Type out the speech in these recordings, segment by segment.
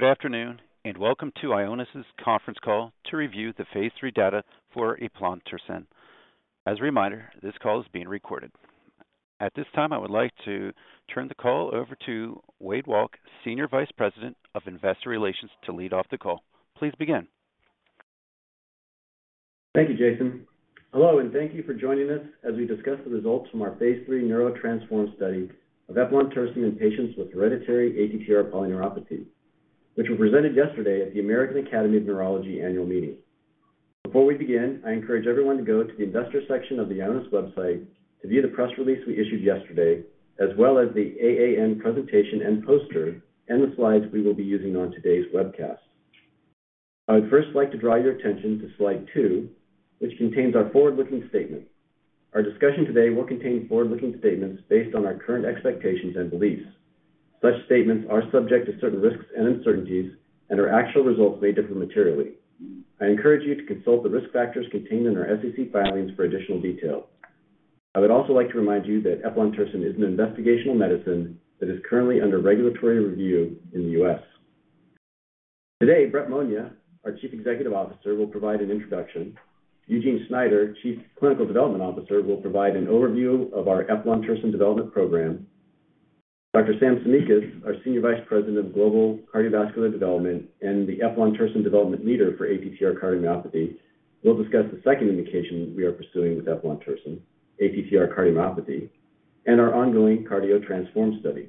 Good afternoon, welcome to Ionis's conference call to review the phase III data for eplontersen. As a reminder, this call is being recorded. At this time, I would like to turn the call over to Wade Walk, Senior Vice President of Investor Relations, to lead off the call. Please begin. Thank you, Jason. Hello, thank you for joining us as we discuss the results from our phase III NEURO-TTRansform study of eplontersen in patients with hereditary ATTR polyneuropathy, which were presented yesterday at the American Academy of Neurology annual meeting. Before we begin, I encourage everyone to go to the investor section of the Ionis website to view the press release we issued yesterday as well as the AAN presentation and poster and the slides we will be using on today's webcast. I would first like to draw your attention to slide two, which contains our forward-looking statement. Our discussion today will contain forward-looking statements based on our current expectations and beliefs. Such statements are subject to certain risks and uncertainties and our actual results may differ materially. I encourage you to consult the risk factors contained in our SEC filings for additional detail I would also like to remind you that eplontersen is an investigational medicine that is currently under regulatory review in the U.S. Today, Brett Monia, our Chief Executive Officer, will provide an introduction. Eugene Schneider, Chief Clinical Development Officer, will provide an overview of our eplontersen development program. Dr. Sam Tsimikas, our Senior Vice President of Global Cardiovascular Development and the eplontersen development leader for ATTR cardiomyopathy will discuss the second indication we are pursuing with eplontersen, ATTR cardiomyopathy, and our ongoing Cardio-TTRansform study.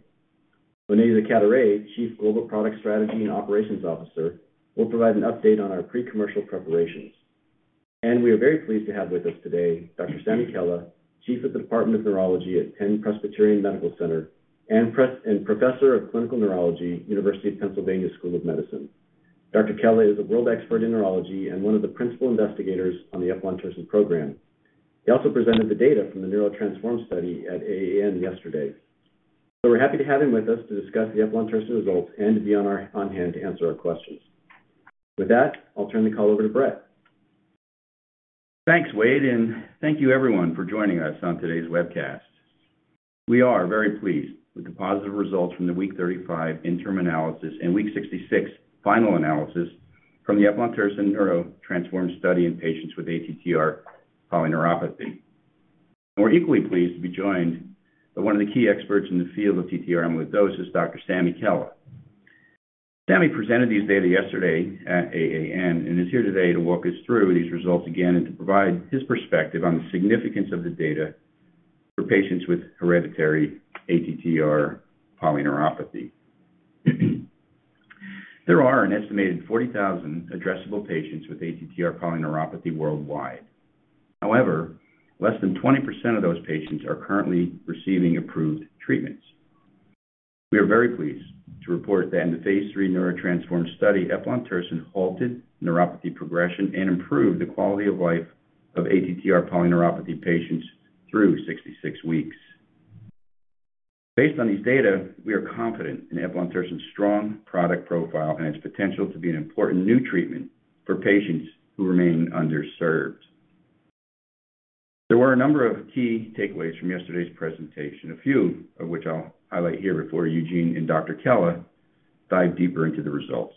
Onaiza Cadoret-Manier, Chief Global Product Strategy and Operations Officer, will provide an update on our pre-commercial preparations. we are very pleased to have with us today Dr. Sami Khella, Chief of the Department of Neurology at Penn Presbyterian Medical Center and Professor of Clinical Neurology, University of Pennsylvania School of Medicine. Dr. Khella is a world expert in neurology and one of the principal investigators on the eplontersen program. He also presented the data from the NEURO-TTRansform study at AAN yesterday. We're happy to have him with us to discuss the eplontersen results and to be on hand to answer our questions. With that, I'll turn the call over to Brett. Thanks, Wade. Thank you everyone for joining us on today's webcast. We are very pleased with the positive results from the week 35 interim analysis and week 66 final analysis from the eplontersen NEURO-TTRansform study in patients with ATTR polyneuropathy. We're equally pleased to be joined by one of the key experts in the field of TTR amyloidosis, Dr. Sami Khella. Sami presented these data yesterday at AAN and is here today to walk us through these results again and to provide his perspective on the significance of the data for patients with hereditary ATTR polyneuropathy. There are an estimated 40,000 addressable patients with ATTR polyneuropathy worldwide. However, less than 20% of those patients are currently receiving approved treatments. We are very pleased to report that in the phase III NEURO-TTRansform study, eplontersen halted neuropathy progression and improved the quality of life of ATTR polyneuropathy patients through 66 weeks. Based on these data, we are confident in eplontersen's strong product profile and its potential to be an important new treatment for patients who remain underserved. There were a number of key takeaways from yesterday's presentation, a few of which I'll highlight here before Eugene and Dr. Khella dive deeper into the results.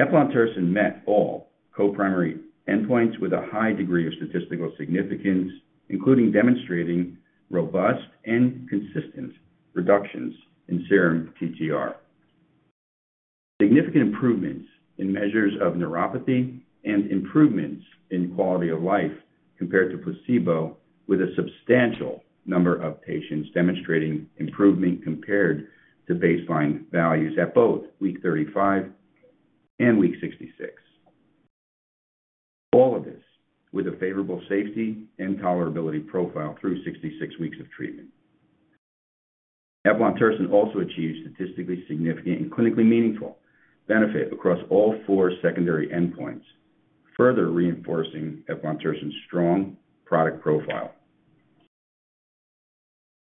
eplontersen met all co-primary endpoints with a high degree of statistical significance, including demonstrating robust and consistent reductions in serum TTR. Significant improvements in measures of neuropathy and improvements in quality of life compared to placebo with a substantial number of patients demonstrating improvement compared to baseline values at both week 35 and week 66. All of this with a favorable safety and tolerability profile through 66 weeks of treatment. eplontersen also achieved statistically significant and clinically meaningful benefit across all four secondary endpoints, further reinforcing eplontersen's strong product profile.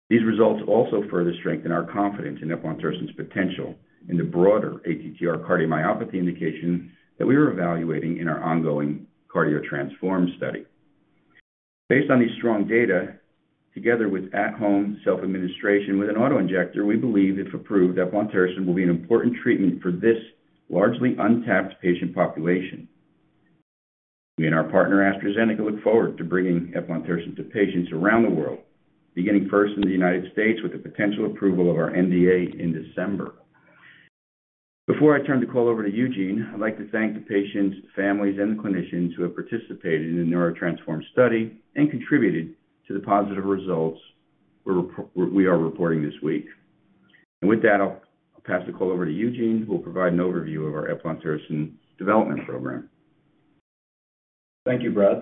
These results also further strengthen our confidence in eplontersen's potential in the broader ATTR cardiomyopathy indication that we are evaluating in our ongoing Cardio-TTRansform study. Based on these strong data, together with at home self-administration with an auto-injector, we believe, if approved, eplontersen will be an important treatment for this largely untapped patient population. We and our partner, AstraZeneca, look forward to bringing eplontersen to patients around the world, beginning first in the United States with the potential approval of our NDA in December. Before I turn the call over to Eugene, I'd like to thank the patients, families, and the clinicians who have participated in the NEURO-TTRansform study and contributed to the positive results we are reporting this week. With that, I'll pass the call over to Eugene, who will provide an overview of our eplontersen development program. Thank you, Brett.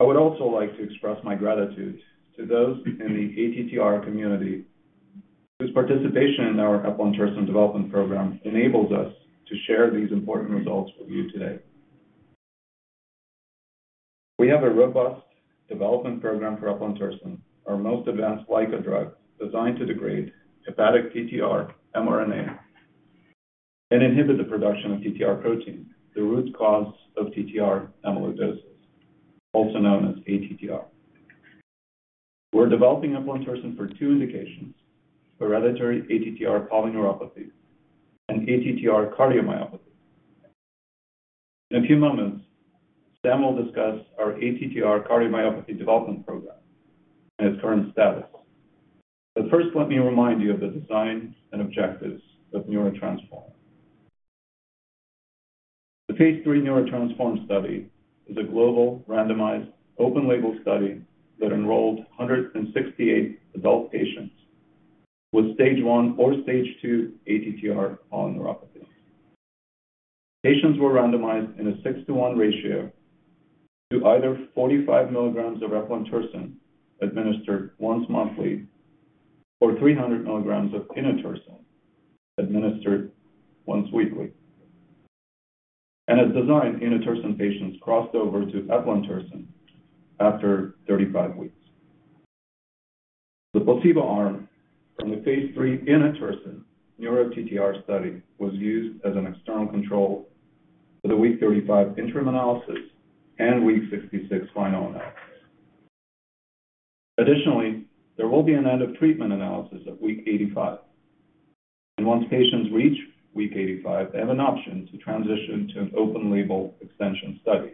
I would also like to express my gratitude to those in the ATTR community whose participation in our eplontersen development program enables us to share these important results with you today. We have a robust development program for eplontersen, our most advanced LICA drug designed to degrade hepatic TTR mRNA Inhibit the production of TTR protein, the root cause of TTR amyloidosis, also known as ATTR. We're developing eplontersen for two indications: hereditary ATTR polyneuropathy and ATTR cardiomyopathy. In a few moments, Sam will discuss our ATTR cardiomyopathy development program and its current status. First, let me remind you of the design and objectives of NEURO-TTRansform. The phase III NEURO-TTRansform study is a global, randomized, open label study that enrolled 168 adult patients with stage 1 or stage 2 ATTR polyneuropathy. Patients were randomized in a 6-to-1 ratio to either 45 milligrams of eplontersen administered once monthly or 300 milligrams of inotersen administered once weekly. As designed, inotersen patients crossed over to eplontersen after 35 weeks. The placebo arm from the phase III inotersen NEURO-TTR study was used as an external control for the week 35 interim analysis and week 66 final analysis. Additionally, there will be an end of treatment analysis at week 85. Once patients reach week 85, they have an option to transition to an open label extension study.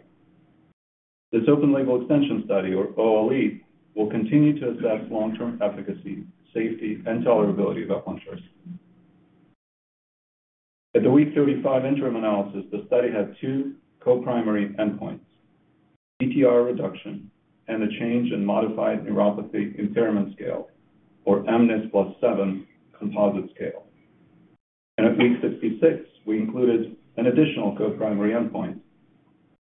This open label extension study, or OLE, will continue to assess long-term efficacy, safety, and tolerability of eplontersen. At the week 35 interim analysis, the study had two co-primary endpoints: TTR reduction and a change in modified neuropathy impairment scale, or mNIS+7 composite scale. At week 66, we included an additional co-primary endpoint,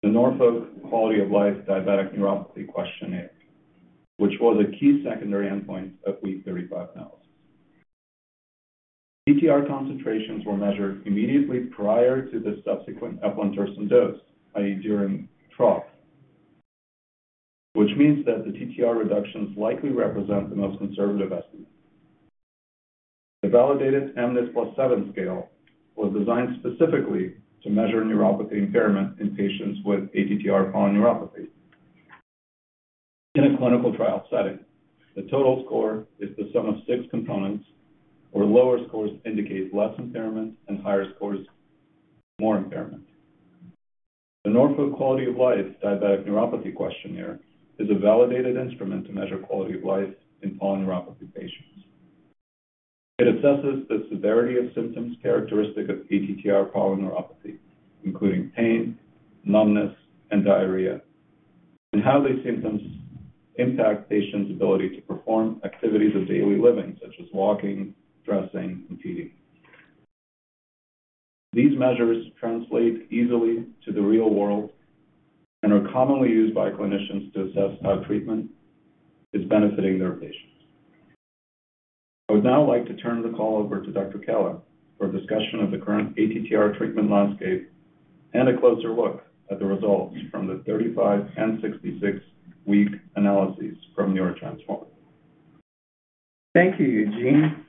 the Norfolk Quality of Life-Diabetic Neuropathy questionnaire, which was a key secondary endpoint of week 35 analysis. TTR concentrations were measured immediately prior to the subsequent eplontersen dose, i.e. during trough, which means that the TTR reductions likely represent the most conservative estimate. The validated mNIS+7 scale was designed specifically to measure neuropathy impairment in patients with ATTR polyneuropathy. In a clinical trial setting, the total score is the sum of six components, where lower scores indicate less impairment and higher scores more impairment. The Norfolk Quality of Life-Diabetic Neuropathy questionnaire is a validated instrument to measure quality of life in polyneuropathy patients. It assesses the severity of symptoms characteristic of ATTR polyneuropathy, including pain, numbness, and diarrhea, and how these symptoms impact patients' ability to perform activities of daily living, such as walking, dressing, and feeding. These measures translate easily to the real world and are commonly used by clinicians to assess how treatment is benefiting their patients. I would now like to turn the call over to Dr. Khella for a discussion of the current ATTR treatment landscape and a closer look at the results from the 35 and 66 week analyses from NEURO-TTRansform. Thank you, Eugene.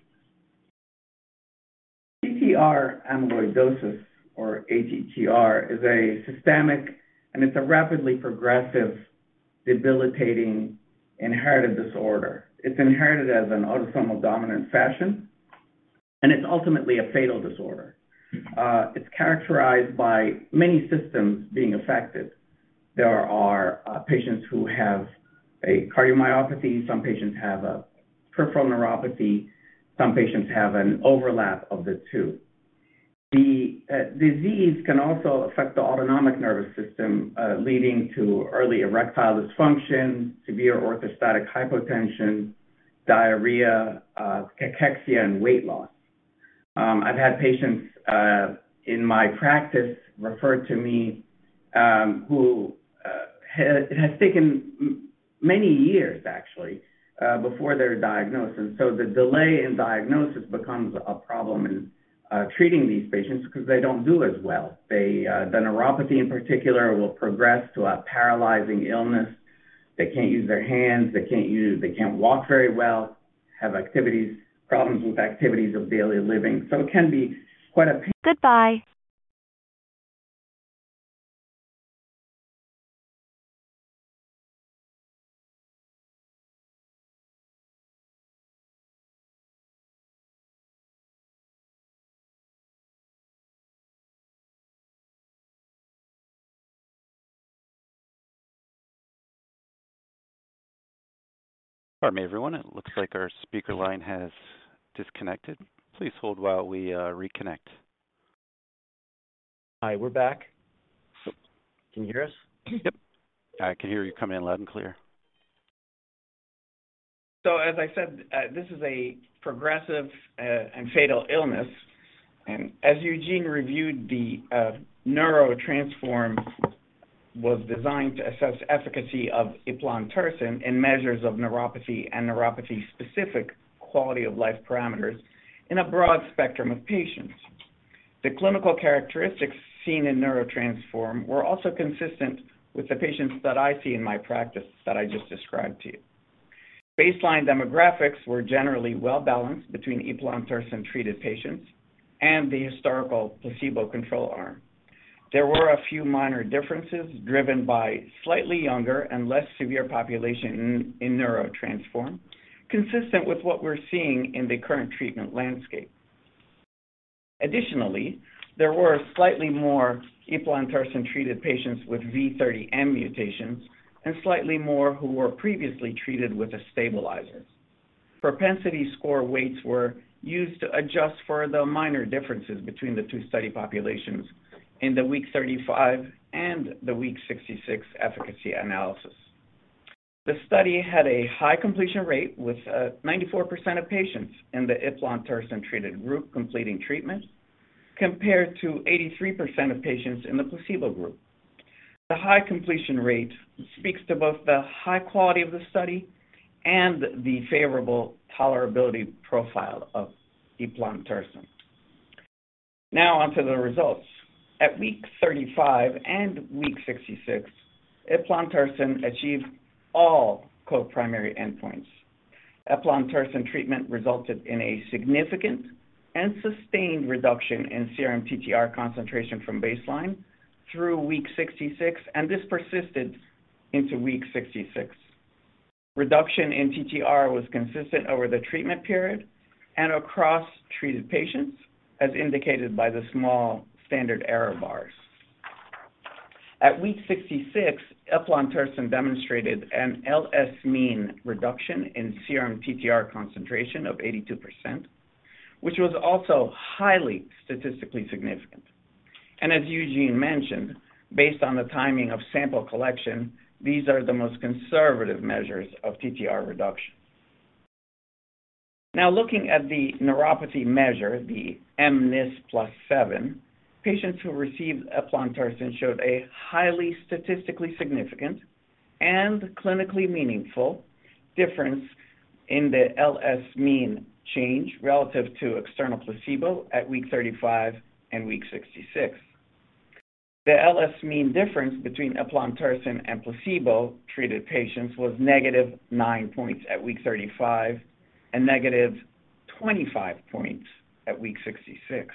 TTR amyloidosis, or ATTR, is a systemic it's a rapidly progressive debilitating inherited disorder. It's inherited as an autosomal dominant fashion, it's ultimately a fatal disorder. It's characterized by many systems being affected. There are patients who have a cardiomyopathy. Some patients have a peripheral neuropathy. Some patients have an overlap of the two. The disease can also affect the autonomic nervous system, leading to early erectile dysfunction, severe orthostatic hypotension, diarrhea, cachexia, and weight loss. I've had patients in my practice referred to me who has taken many years actually before their diagnosis. The delay in diagnosis becomes a problem in treating these patients 'cause they don't do as well. The neuropathy in particular will progress to a paralyzing illness. They can't use their hands. They can't walk very well, have activities, problems with activities of daily living. it can be quite a. Goodbye. Pardon me, everyone. It looks like our speaker line has disconnected. Please hold while we reconnect. Hi, we're back. Can you hear us? Yep. I can hear you come in loud and clear. As I said, this is a progressive and fatal illness. As Eugene reviewed, the NEURO-TTRansform was designed to assess efficacy of eplontersen in measures of neuropathy and neuropathy-specific quality of life parameters in a broad spectrum of patients. The clinical characteristics seen in NEURO-TTRansform were also consistent with the patients that I see in my practice that I just described to you. Baseline demographics were generally well-balanced between eplontersen-treated patients and the historical placebo control arm. There were a few minor differences driven by slightly younger and less severe population in NEURO-TTRansform, consistent with what we're seeing in the current treatment landscape. There were slightly more eplontersen-treated patients with V30M mutations and slightly more who were previously treated with a stabilizer. Propensity score weights were used to adjust for the minor differences between the two study populations in the week 35 and the week 66 efficacy analysis. The study had a high completion rate with 94% of patients in the eplontersen-treated group completing treatment, compared to 83% of patients in the placebo group. The high completion rate speaks to both the high quality of the study and the favorable tolerability profile of eplontersen. Now on to the results. At week 35 and week 66, eplontersen achieved all co-primary endpoints. Eplontersen treatment resulted in a significant and sustained reduction in serum TTR concentration from baseline through week 66, and this persisted into week 66. Reduction in TTR was consistent over the treatment period and across treated patients, as indicated by the small standard error bars. At week 66, eplontersen demonstrated an LS mean reduction in serum TTR concentration of 82%, which was also highly statistically significant. As Eugene mentioned, based on the timing of sample collection, these are the most conservative measures of TTR reduction. Now looking at the neuropathy measure, the mNIS+7, patients who received eplontersen showed a highly statistically significant and clinically meaningful difference in the LS mean change relative to external placebo at week 35 and week 66. The LS mean difference between eplontersen and placebo-treated patients was -9 points at week 35 and -25 points at week 66.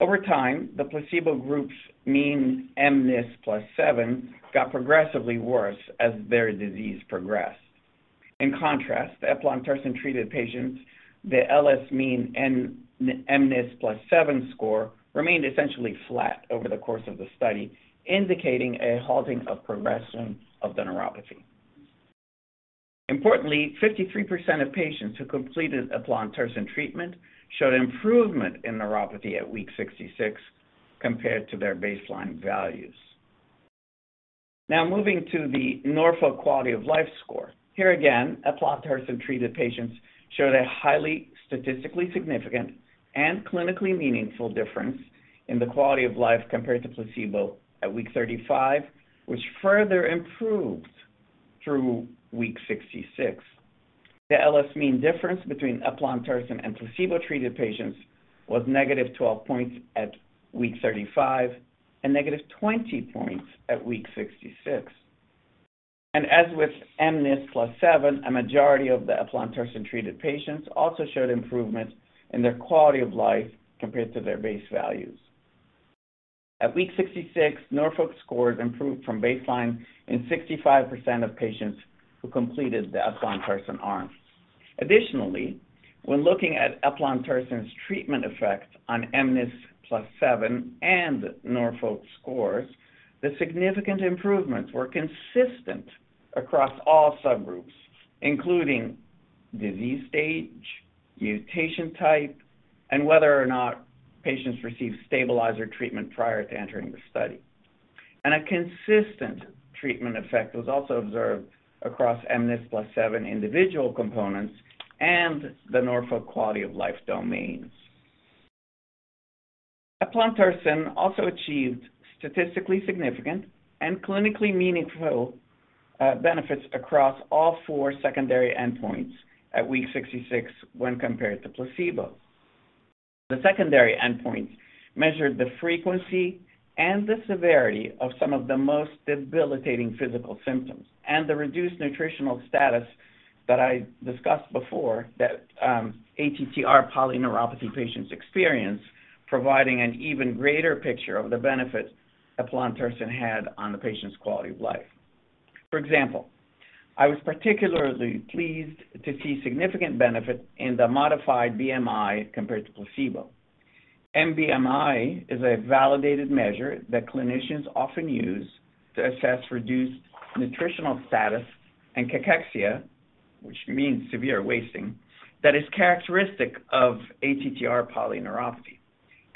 Over time, the placebo group's mean mNIS+7 got progressively worse as their disease progressed. In contrast, the eplontersen-treated patients, the LS mean mNIS+7 score remained essentially flat over the course of the study, indicating a halting of progression of the neuropathy. Importantly, 53% of patients who completed eplontersen treatment showed improvement in neuropathy at week 66 compared to their baseline values. Moving to the Norfolk Quality of Life score. Here again, eplontersen-treated patients showed a highly statistically significant and clinically meaningful difference in the quality of life compared to placebo at week 35, which further improved through week 66. The LS mean difference between eplontersen and placebo-treated patients was negative 12 points at week 35 and negative 20 points at week 66. As with mNIS+7, a majority of the eplontersen-treated patients also showed improvement in their quality of life compared to their base values. At week 66, Norfolk scores improved from baseline in 65% of patients who completed the eplontersen arm. Additionally, when looking at eplontersen's treatment effect on mNIS+7 and Norfolk scores, the significant improvements were consistent across all subgroups, including disease stage, mutation type, and whether or not patients received stabilizer treatment prior to entering the study. A consistent treatment effect was also observed across mNIS+7 individual components and the Norfolk quality-of-life domains. Eplontersen also achieved statistically significant and clinically meaningful benefits across all four secondary endpoints at week 66 when compared to placebo. The secondary endpoints measured the frequency and the severity of some of the most debilitating physical symptoms and the reduced nutritional status that I discussed before that ATTR polyneuropathy patients experience providing an even greater picture of the benefit eplontersen had on the patient's quality of life. For example, I was particularly pleased to see significant benefit in the modified BMI compared to placebo. mBMI is a validated measure that clinicians often use to assess reduced nutritional status and cachexia, which means severe wasting, that is characteristic of ATTR polyneuropathy.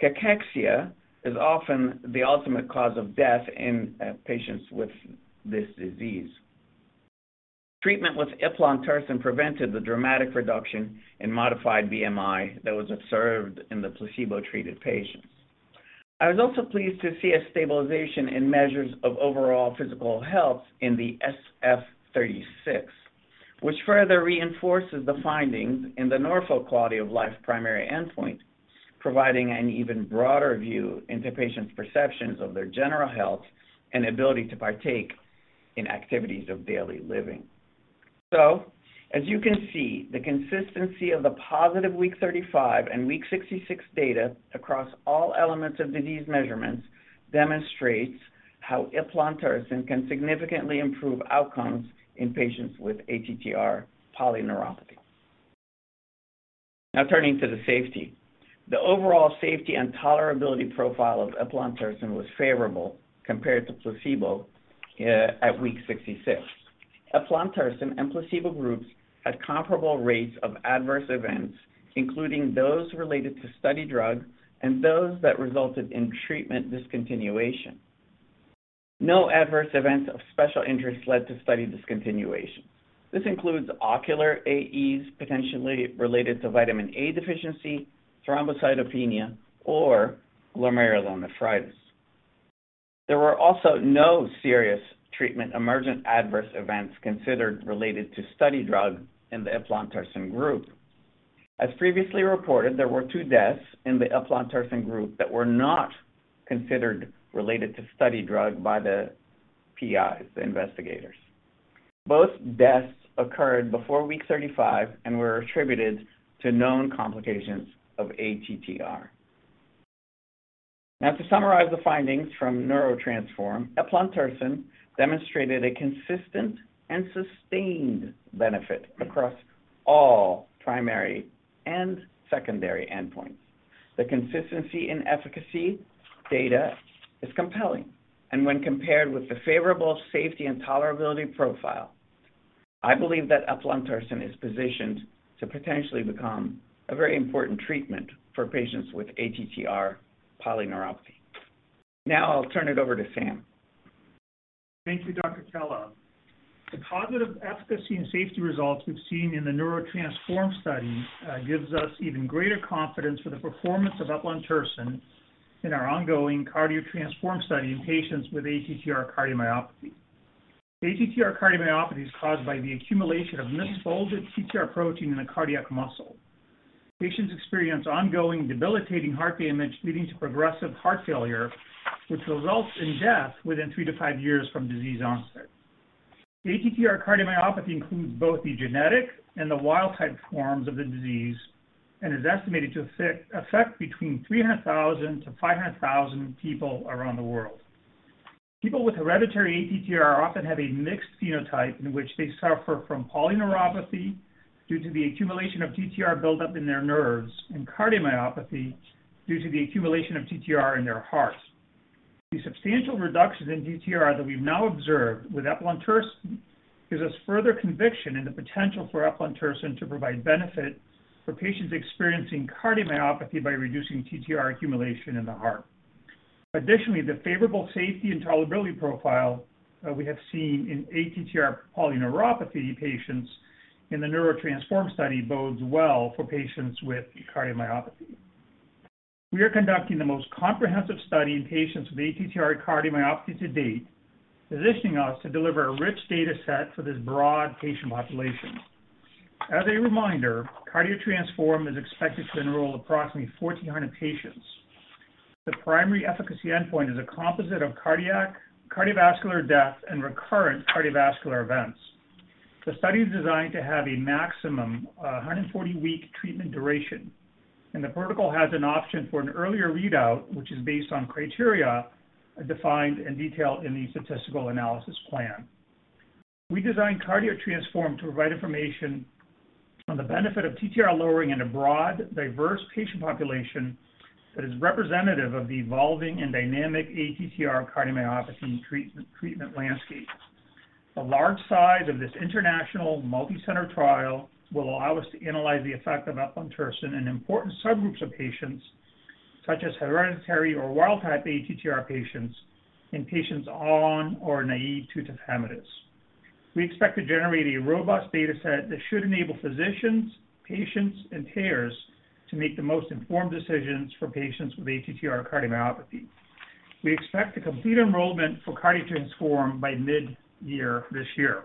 Cachexia is often the ultimate cause of death in patients with this disease. Treatment with eplontersen prevented the dramatic reduction in modified BMI that was observed in the placebo-treated patients. I was also pleased to see a stabilization in measures of overall physical health in the SF-36, which further reinforces the findings in the Norfolk Quality of Life primary endpoint. Providing an even broader view into patients' perceptions of their general health and ability to partake in activities of daily living. As you can see, the consistency of the positive week 35 and week 66 data across all elements of disease measurements demonstrates how eplontersen can significantly improve outcomes in patients with ATTR polyneuropathy. Now turning to the safety. The overall safety and tolerability profile of eplontersen was favorable compared to placebo at week 66. Eplontersen and placebo groups had comparable rates of adverse events, including those related to study drug and those that resulted in treatment discontinuation. No adverse events of special interest led to study discontinuation. This includes ocular AEs potentially related to vitamin A deficiency, thrombocytopenia, or glomerulonephritis. There were also no serious treatment emergent adverse events considered related to study drug in the eplontersen group. As previously reported, there were two deaths in the eplontersen group that were not considered related to study drug by the PIs, the investigators. Both deaths occurred before week 35 and were attributed to known complications of ATTR. To summarize the findings from NEURO-TTRansform, eplontersen demonstrated a consistent and sustained benefit across all primary and secondary endpoints. The consistency in efficacy data is compelling. When compared with the favorable safety and tolerability profile, I believe that eplontersen is positioned to potentially become a very important treatment for patients with ATTR polyneuropathy. Now I'll turn it over to Sam. Thank you, Dr. Khella. The positive efficacy and safety results we've seen in the NEURO-TTRansform study, gives us even greater confidence for the performance of eplontersen in our ongoing Cardio-TTRansform study in patients with ATTR cardiomyopathy. ATTR cardiomyopathy is caused by the accumulation of misfolded TTR protein in the cardiac muscle. Patients experience ongoing debilitating heart damage leading to progressive heart failure, which results in death within 3 years-5 years from disease onset. ATTR cardiomyopathy includes both the genetic and the wild type forms of the disease, and is estimated to affect between 300,000 to 500,000 people around the world. People with hereditary ATTR often have a mixed phenotype in which they suffer from polyneuropathy due to the accumulation of TTR buildup in their nerves and cardiomyopathy due to the accumulation of TTR in their heart. The substantial reduction in TTR that we've now observed with eplontersen gives us further conviction in the potential for eplontersen to provide benefit for patients experiencing cardiomyopathy by reducing TTR accumulation in the heart. The favorable safety and tolerability profile that we have seen in ATTR polyneuropathy patients in the NEURO-TTRansform study bodes well for patients with cardiomyopathy. We are conducting the most comprehensive study in patients with ATTR cardiomyopathy to date, positioning us to deliver a rich data set for this broad patient population. A reminder, Cardio-TTRansform is expected to enroll approximately 1,400 patients. The primary efficacy endpoint is a composite of cardiovascular death and recurrent cardiovascular events. The study is designed to have a maximum, 140 week treatment duration. The protocol has an option for an earlier readout, which is based on criteria defined and detailed in the statistical analysis plan. We designed Cardio-TTRansform to provide information on the benefit of TTR lowering in a broad, diverse patient population that is representative of the evolving and dynamic ATTR cardiomyopathy treatment landscape. The large size of this international multi-center trial will allow us to analyze the effect of eplontersen in important subgroups of patients such as hereditary or wild type ATTR patients, and patients on or naive to tafamidis. We expect to generate a robust data set that should enable physicians, patients and payers to make the most informed decisions for patients with ATTR cardiomyopathy. We expect to complete enrollment for Cardio-TTRansform by mid-year this year.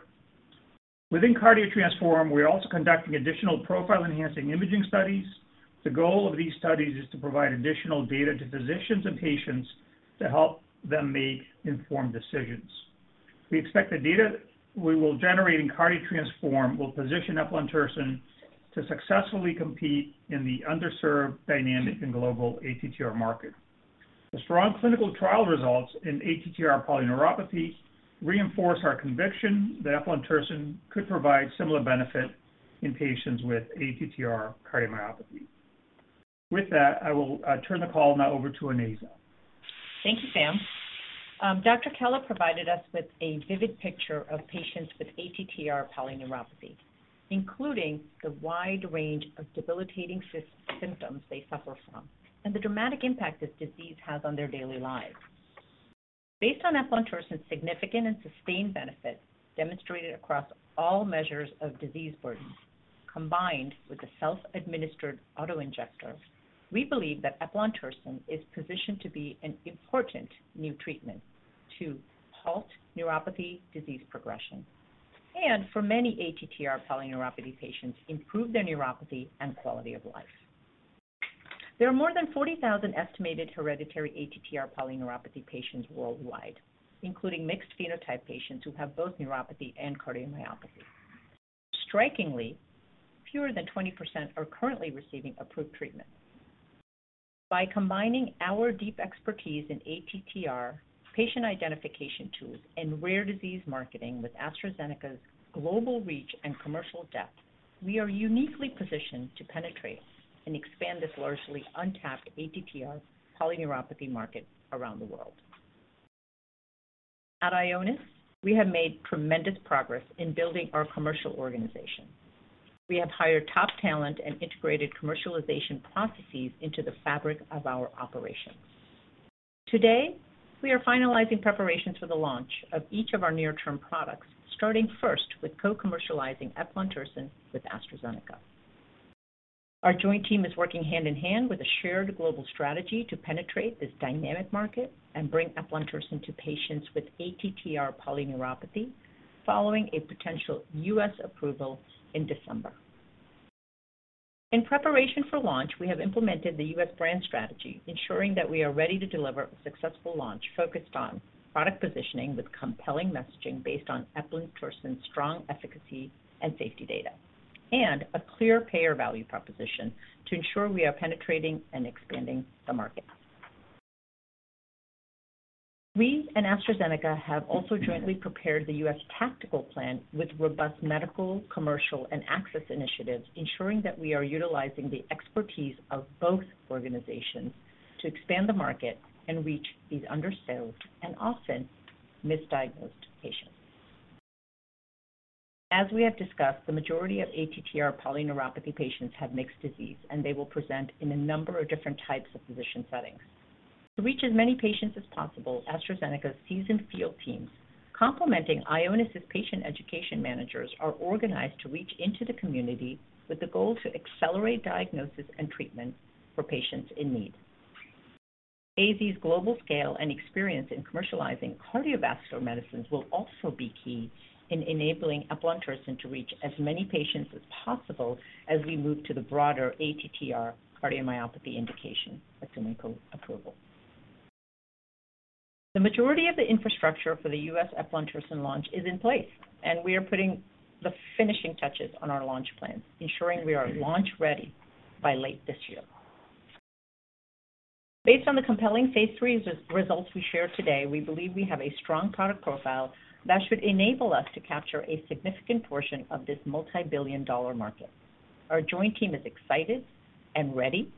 Within Cardio-TTRansform, we are also conducting additional profile enhancing imaging studies. The goal of these studies is to provide additional data to physicians and patients to help them make informed decisions. We expect the data we will generate in Cardio-TTRansform will position eplontersen to successfully compete in the underserved, dynamic and global ATTR market. The strong clinical trial results in ATTR polyneuropathy reinforce our conviction that eplontersen could provide similar benefit in patients with ATTR cardiomyopathy. With that, I will turn the call now over to Onaiza. Thank you, Sam. Dr. Khella provided us with a vivid picture of patients with ATTR polyneuropathy, including the wide range of debilitating symptoms they suffer from, and the dramatic impact this disease has on their daily lives. Based on eplontersen's significant and sustained benefit demonstrated across all measures of disease burden, combined with the self-administered auto-injector, we believe that eplontersen is positioned to be an important new treatment to halt neuropathy disease progression. For many ATTR polyneuropathy patients improve their neuropathy and quality of life. There are more than 40,000 estimated hereditary ATTR polyneuropathy patients worldwide, including mixed phenotype patients who have both neuropathy and cardiomyopathy. Strikingly, fewer than 20% are currently receiving approved treatment. By combining our deep expertise in ATTR, patient identification tools, and rare disease marketing with AstraZeneca's global reach and commercial depth, we are uniquely positioned to penetrate and expand this largely untapped ATTR polyneuropathy market around the world. At Ionis, we have made tremendous progress in building our commercial organization. We have hired top talent and integrated commercialization processes into the fabric of our operations. Today, we are finalizing preparations for the launch of each of our near-term products, starting first with co-commercializing eplontersen with AstraZeneca. Our joint team is working hand in hand with a shared global strategy to penetrate this dynamic market and bring eplontersen to patients with ATTR polyneuropathy following a potential U.S. approval in December. In preparation for launch, we have implemented the U.S. brand strategy, ensuring that we are ready to deliver a successful launch focused on product positioning with compelling messaging based on eplontersen's strong efficacy and safety data, and a clear payer value proposition to ensure we are penetrating and expanding the market. We and AstraZeneca have also jointly prepared the U.S. tactical plan with robust medical, commercial, and access initiatives, ensuring that we are utilizing the expertise of both organizations to expand the market and reach these underserved and often misdiagnosed patients. As we have discussed, the majority of ATTR polyneuropathy patients have mixed disease, and they will present in a number of different types of physician settings. To reach as many patients as possible, AstraZeneca's seasoned field teams, complementing Ionis' patient education managers, are organized to reach into the community with the goal to accelerate diagnosis and treatment for patients in need. AZ's global scale and experience in commercializing cardiovascular medicines will also be key in enabling eplontersen to reach as many patients as possible as we move to the broader ATTR cardiomyopathy indication with clinical approval. The majority of the infrastructure for the US eplontersen launch is in place, and we are putting the finishing touches on our launch plans, ensuring we are launch-ready by late this year. Based on the compelling phase III results we share today, we believe we have a strong product profile that should enable us to capture a significant portion of this multi-billion dollar market. Our joint team is excited and ready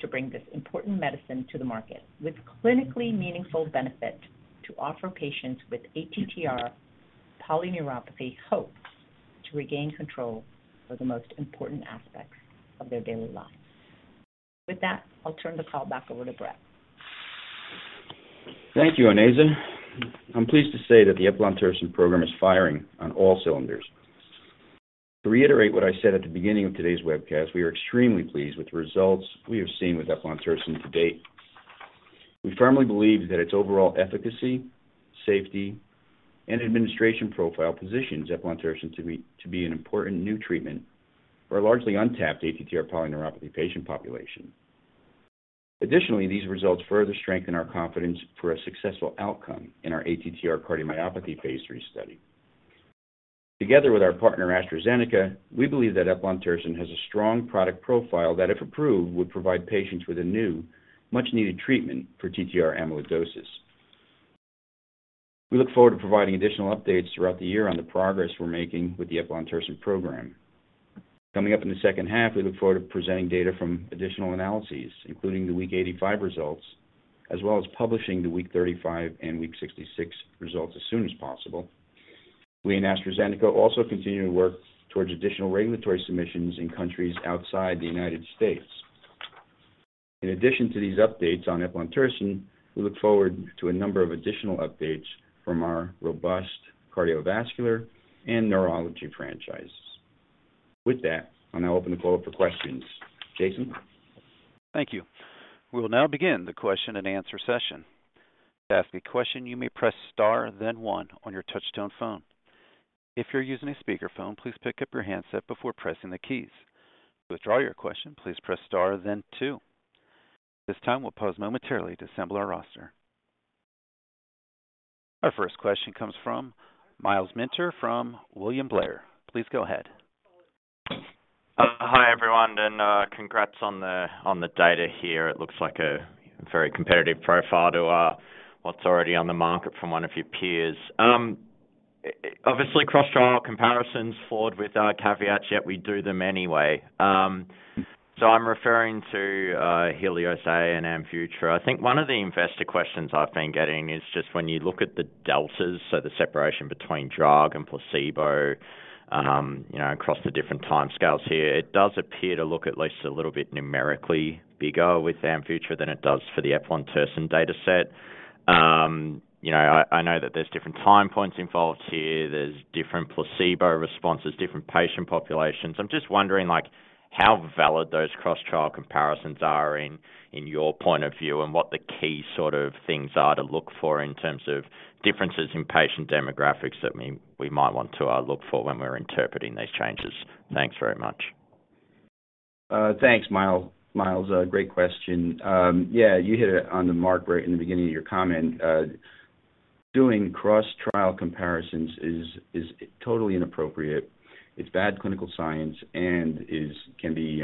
to bring this important medicine to the market, with clinically meaningful benefit to offer patients with ATTR polyneuropathy hope to regain control of the most important aspects of their daily lives. I'll turn the call back over to Brett. Thank you, Onaiza. I'm pleased to say that the eplontersen program is firing on all cylinders. To reiterate what I said at the beginning of today's webcast, we are extremely pleased with the results we have seen with eplontersen to date. We firmly believe that its overall efficacy, safety, and administration profile positions eplontersen to be an important new treatment for a largely untapped ATTR polyneuropathy patient population. These results further strengthen our confidence for a successful outcome in our ATTR cardiomyopathy phase III study. Together with our partner, AstraZeneca, we believe that eplontersen has a strong product profile that, if approved, would provide patients with a new, much-needed treatment for TTR amyloidosis. We look forward to providing additional updates throughout the year on the progress we're making with the eplontersen program. Coming up in the second half, we look forward to presenting data from additional analyses, including the week 85 results, as well as publishing the week 35 and week 66 results as soon as possible. We and AstraZeneca also continue to work towards additional regulatory submissions in countries outside the United States. In addition to these updates on eplontersen, we look forward to a number of additional updates from our robust cardiovascular and neurology franchises. With that, I'll now open the floor up for questions. Jason? Thank you. We'll now begin the question and answer session. To ask a question, you may press star then one on your touch tone phone. If you're using a speakerphone, please pick up your handset before pressing the keys. To withdraw your question, please press star then two. At this time, we'll pause momentarily to assemble our roster. Our first question comes from Myles Minter from William Blair. Please go ahead. Hi, everyone, congrats on the data here. It looks like a very competitive profile to what's already on the market from one of your peers. Obviously, cross-trial comparisons flawed with caveats, yet we do them anyway. I'm referring to HELIOS-A and AMVUTTRA. I think one of the investor questions I've been getting is just when you look at the deltas, so the separation between drug and placebo, you know, across the different timescales here, it does appear to look at least a little bit numerically bigger with AMVUTTRA than it does for the eplontersen dataset. You know, I know that there's different time points involved here. There's different placebo responses, different patient populations. I'm just wondering, like. How valid those cross trial comparisons are in your point of view and what the key sort of things are to look for in terms of differences in patient demographics that we might want to look for when we're interpreting these changes? Thanks very much. Thanks, Myles. Myles, a great question. Yeah, you hit it on the mark right in the beginning of your comment. Doing cross trial comparisons is totally inappropriate. It's bad clinical science and can be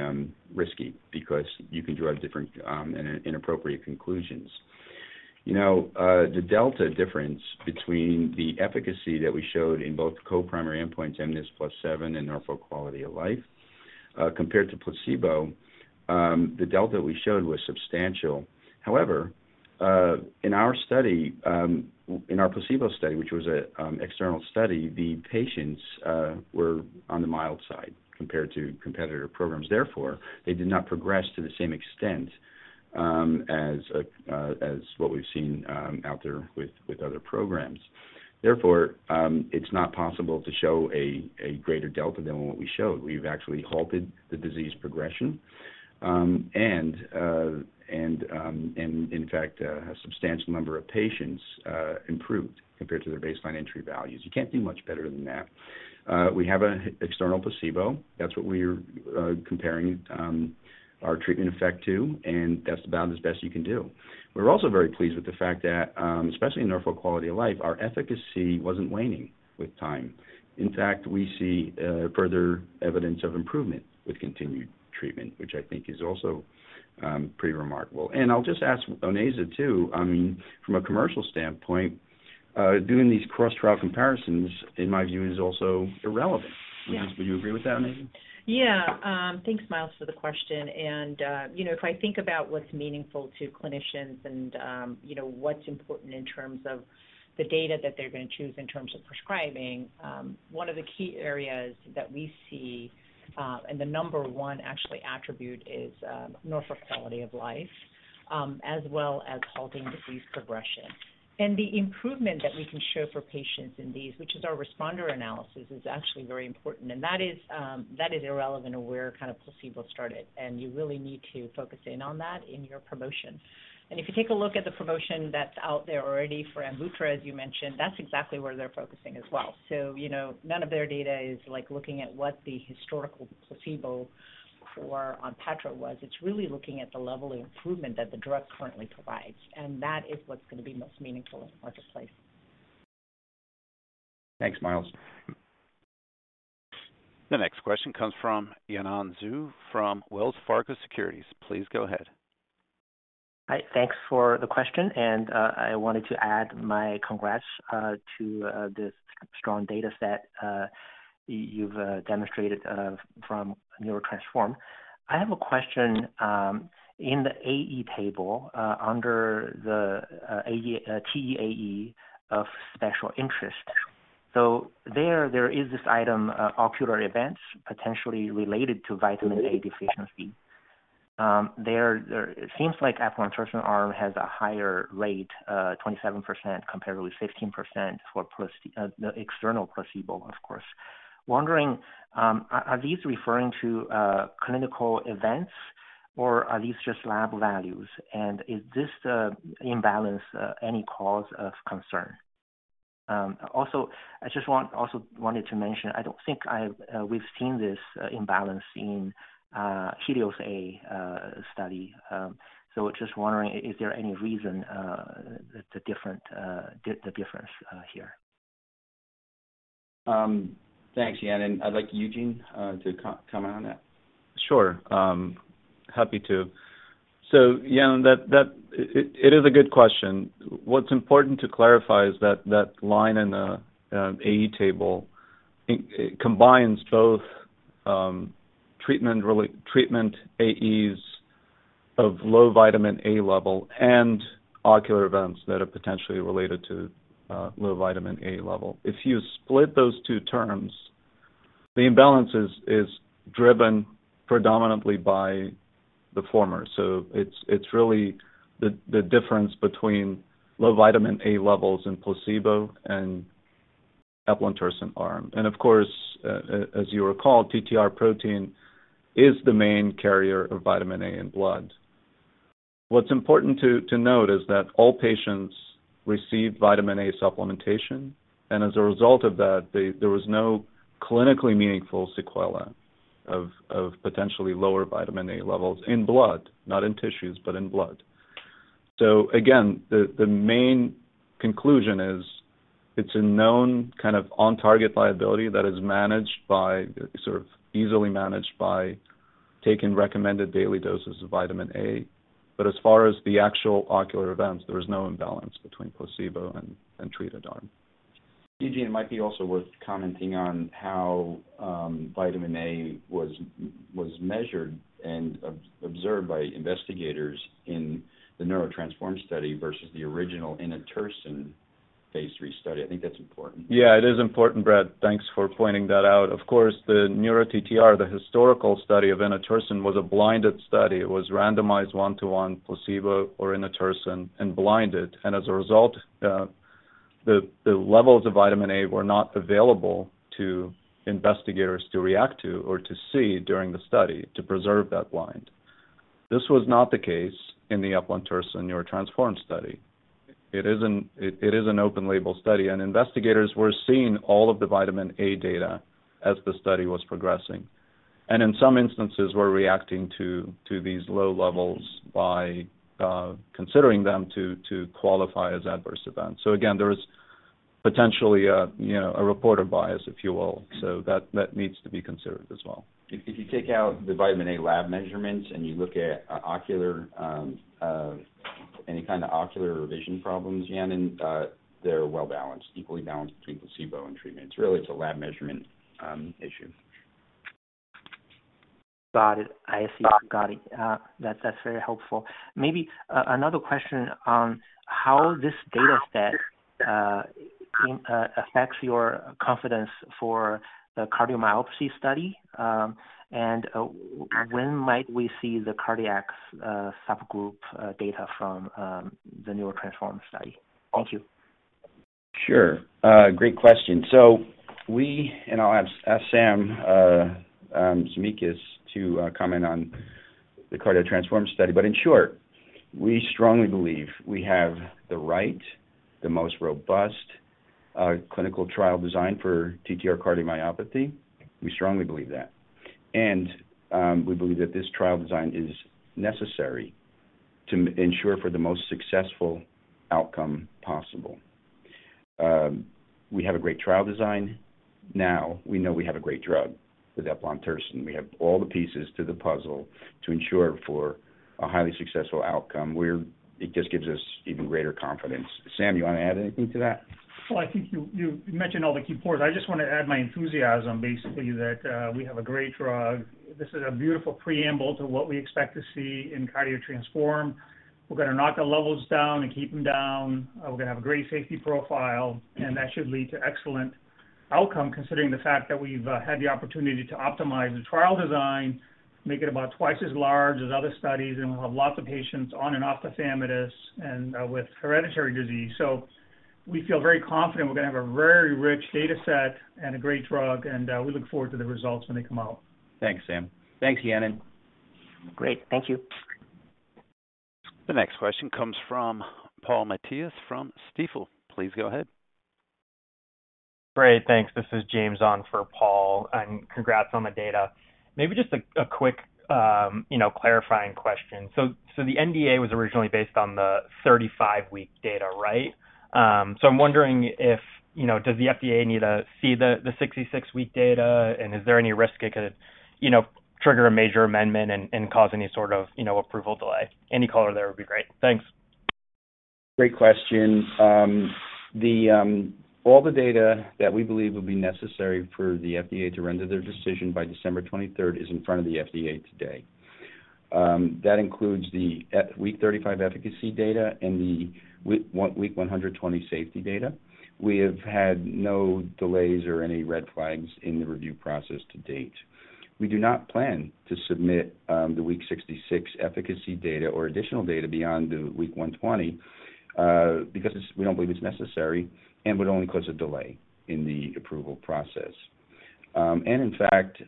risky because you can draw different inappropriate conclusions. You know, the delta difference between the efficacy that we showed in both co-primary endpoints, mNIS+7 and Norfolk quality of life, compared to placebo, the delta we showed was substantial. However, in our study, in our placebo study, which was an external study, the patients were on the mild side compared to competitor programs. Therefore, they did not progress to the same extent as what we've seen out there with other programs. Therefore, it's not possible to show a greater delta than what we showed. We've actually halted the disease progression, and in fact, a substantial number of patients improved compared to their baseline entry values. You can't do much better than that. We have an external placebo. That's what we're comparing our treatment effect to, and that's about as best you can do. We're also very pleased with the fact that, especially in Norfolk Quality of Life, our efficacy wasn't waning with time. In fact, we see further evidence of improvement with continued treatment, which I think is also pretty remarkable. I'll just ask Onaiza too, I mean, from a commercial standpoint, doing these cross trial comparisons, in my view, is also irrelevant. Yeah. Onaiza, would you agree with that, Onaiza? Yeah, thanks, Myles, for the question. you know, if I think about what's meaningful to clinicians and, you know, what's important in terms of the data that they're going to choose in terms of prescribing, one of the key areas that we see, and the number one actually attribute is Norfolk quality of life as well as halting disease progression. The improvement that we can show for patients in these, which is our responder analysis, is actually very important. That is, that is irrelevant to where kind of placebo started. You really need to focus in on that in your promotion. If you take a look at the promotion that's out there already for AMVUTTRA, as you mentioned, that's exactly where they're focusing as well. You know, none of their data is like looking at what the historical placebo for ONPATTRO was. It's really looking at the level of improvement that the drug currently provides, and that is what's going to be most meaningful in the marketplace. Thanks, Myles. The next question comes from Yanan Zhu from Wells Fargo Securities. Please go ahead. Hi. Thanks for the question, I wanted to add my congrats to this strong data set you've demonstrated from NEURO-TTRansform. I have a question in the AE table under the AE TEAE of special interest. There is this item, ocular events potentially related to vitamin A deficiency. There it seems like eplontersen arm has a higher rate, 27% compared with 15% for the external placebo, of course. Wondering, are these referring to clinical events or are these just lab values? Is this imbalance any cause of concern? Also, I just wanted to mention, I don't think I've we've seen this imbalance in HELIOS-A study. Just wondering, is there any reason, the different, the difference, here? Thanks, Yanan. I'd like Eugene to co-comment on that. Sure, happy to. Yanan, it is a good question. What's important to clarify is that that line in the AE table, it combines both treatment AEs of low vitamin A level and ocular events that are potentially related to low vitamin A level. If you split those two terms, the imbalance is driven predominantly by the former. It's really the difference between low vitamin A levels in placebo and eplontersen arm. As you recall, TTR protein is the main carrier of vitamin A in blood. What's important to note is that all patients received vitamin A supplementation, and as a result of that, there was no clinically meaningful sequela of potentially lower vitamin A levels in blood, not in tissues, but in blood. Again, the main conclusion is it's a known kind of on-target liability that is managed by, sort of easily managed by taking recommended daily doses of vitamin A. As far as the actual ocular events, there is no imbalance between placebo and treated arm. Eugene, it might be also worth commenting on how vitamin A was measured and observed by investigators in the NEURO-TTRansform study versus the original inotersen phase III study. I think that's important. Yeah, it is important, Brett. Thanks for pointing that out. Of course, the NEURO-TTR, the historical study of inotersen, was a blinded study. It was randomized 1-to-1 placebo for inotersen and blinded. As a result. The levels of vitamin A were not available to investigators to react to or to see during the study to preserve that blind. This was not the case in the eplontersen NEURO-TTRansform study. It is an open label study, and investigators were seeing all of the vitamin A data as the study was progressing. And in some instances were reacting to these low levels by considering them to qualify as adverse events. Again, there is potentially a, you know, a reporter bias, if you will. That needs to be considered as well. If you take out the vitamin A lab measurements and you look at ocular, any kind of ocular or vision problems, Yanan, they're well balanced, equally balanced between placebo and treatments. Really, it's a lab measurement issue. Got it. I see. Got it. That's, that's very helpful. Maybe another question on how this data set affects your confidence for the cardiomyopathy study, and when might we see the cardiac subgroup data from the NEURO-TTRansform study? Thank you. Sure. Great question. I'll ask Sam, Sami to comment on the Cardio-TTRansform study. In short, we strongly believe we have the right, the most robust clinical trial design for TTR cardiomyopathy. We strongly believe that. We believe that this trial design is necessary to ensure for the most successful outcome possible. We have a great trial design. Now, we know we have a great drug with eplontersen. We have all the pieces to the puzzle to ensure for a highly successful outcome, where it just gives us even greater confidence. Sam, you wanna add anything to that? Well, I think you mentioned all the key points. I just wanna add my enthusiasm, basically, that we have a great drug. This is a beautiful preamble to what we expect to see in Cardio-TTRansform. We're gonna knock the levels down and keep them down. We're gonna have a great safety profile, and that should lead to excellent outcome considering the fact that we've had the opportunity to optimize the trial design, make it about 2 times as large as other studies, and we'll have lots of patients on and off the tafamidis and with hereditary disease. We feel very confident we're gonna have a very rich data set and a great drug, and we look forward to the results when they come out. Thanks, Sam. Thanks, Yanan. Great. Thank you. The next question comes from Paul Matteis from Stifel. Please go ahead. Great. Thanks. This is James on for Paul. Congrats on the data. Maybe just a quick, you know, clarifying question. The NDA was originally based on the 35 week data, right? I'm wondering if, you know, does the FDA need to see the 66 week data? Is there any risk it could, you know, trigger a major amendment and cause any sort of, you know, approval delay? Any color there would be great. Thanks. Great question. The all the data that we believe will be necessary for the FDA to render their decision by December 23rd is in front of the FDA today. That includes the week 35 efficacy data and the week 120 safety data. We have had no delays or any red flags in the review process to date. We do not plan to submit the week 66 efficacy data or additional data beyond the week 120 because we don't believe it's necessary and would only cause a delay in the approval process. In fact,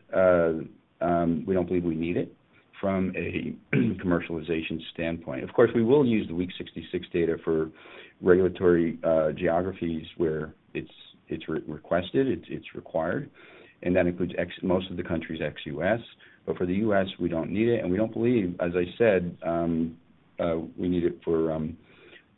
we don't believe we need it from a commercialization standpoint. Of course, we will use the week 66 data for regulatory geographies where it's re-requested, it's required, and that includes most of the countries ex-U.S. For the U.S., we don't need it, and we don't believe, as I said, we need it for,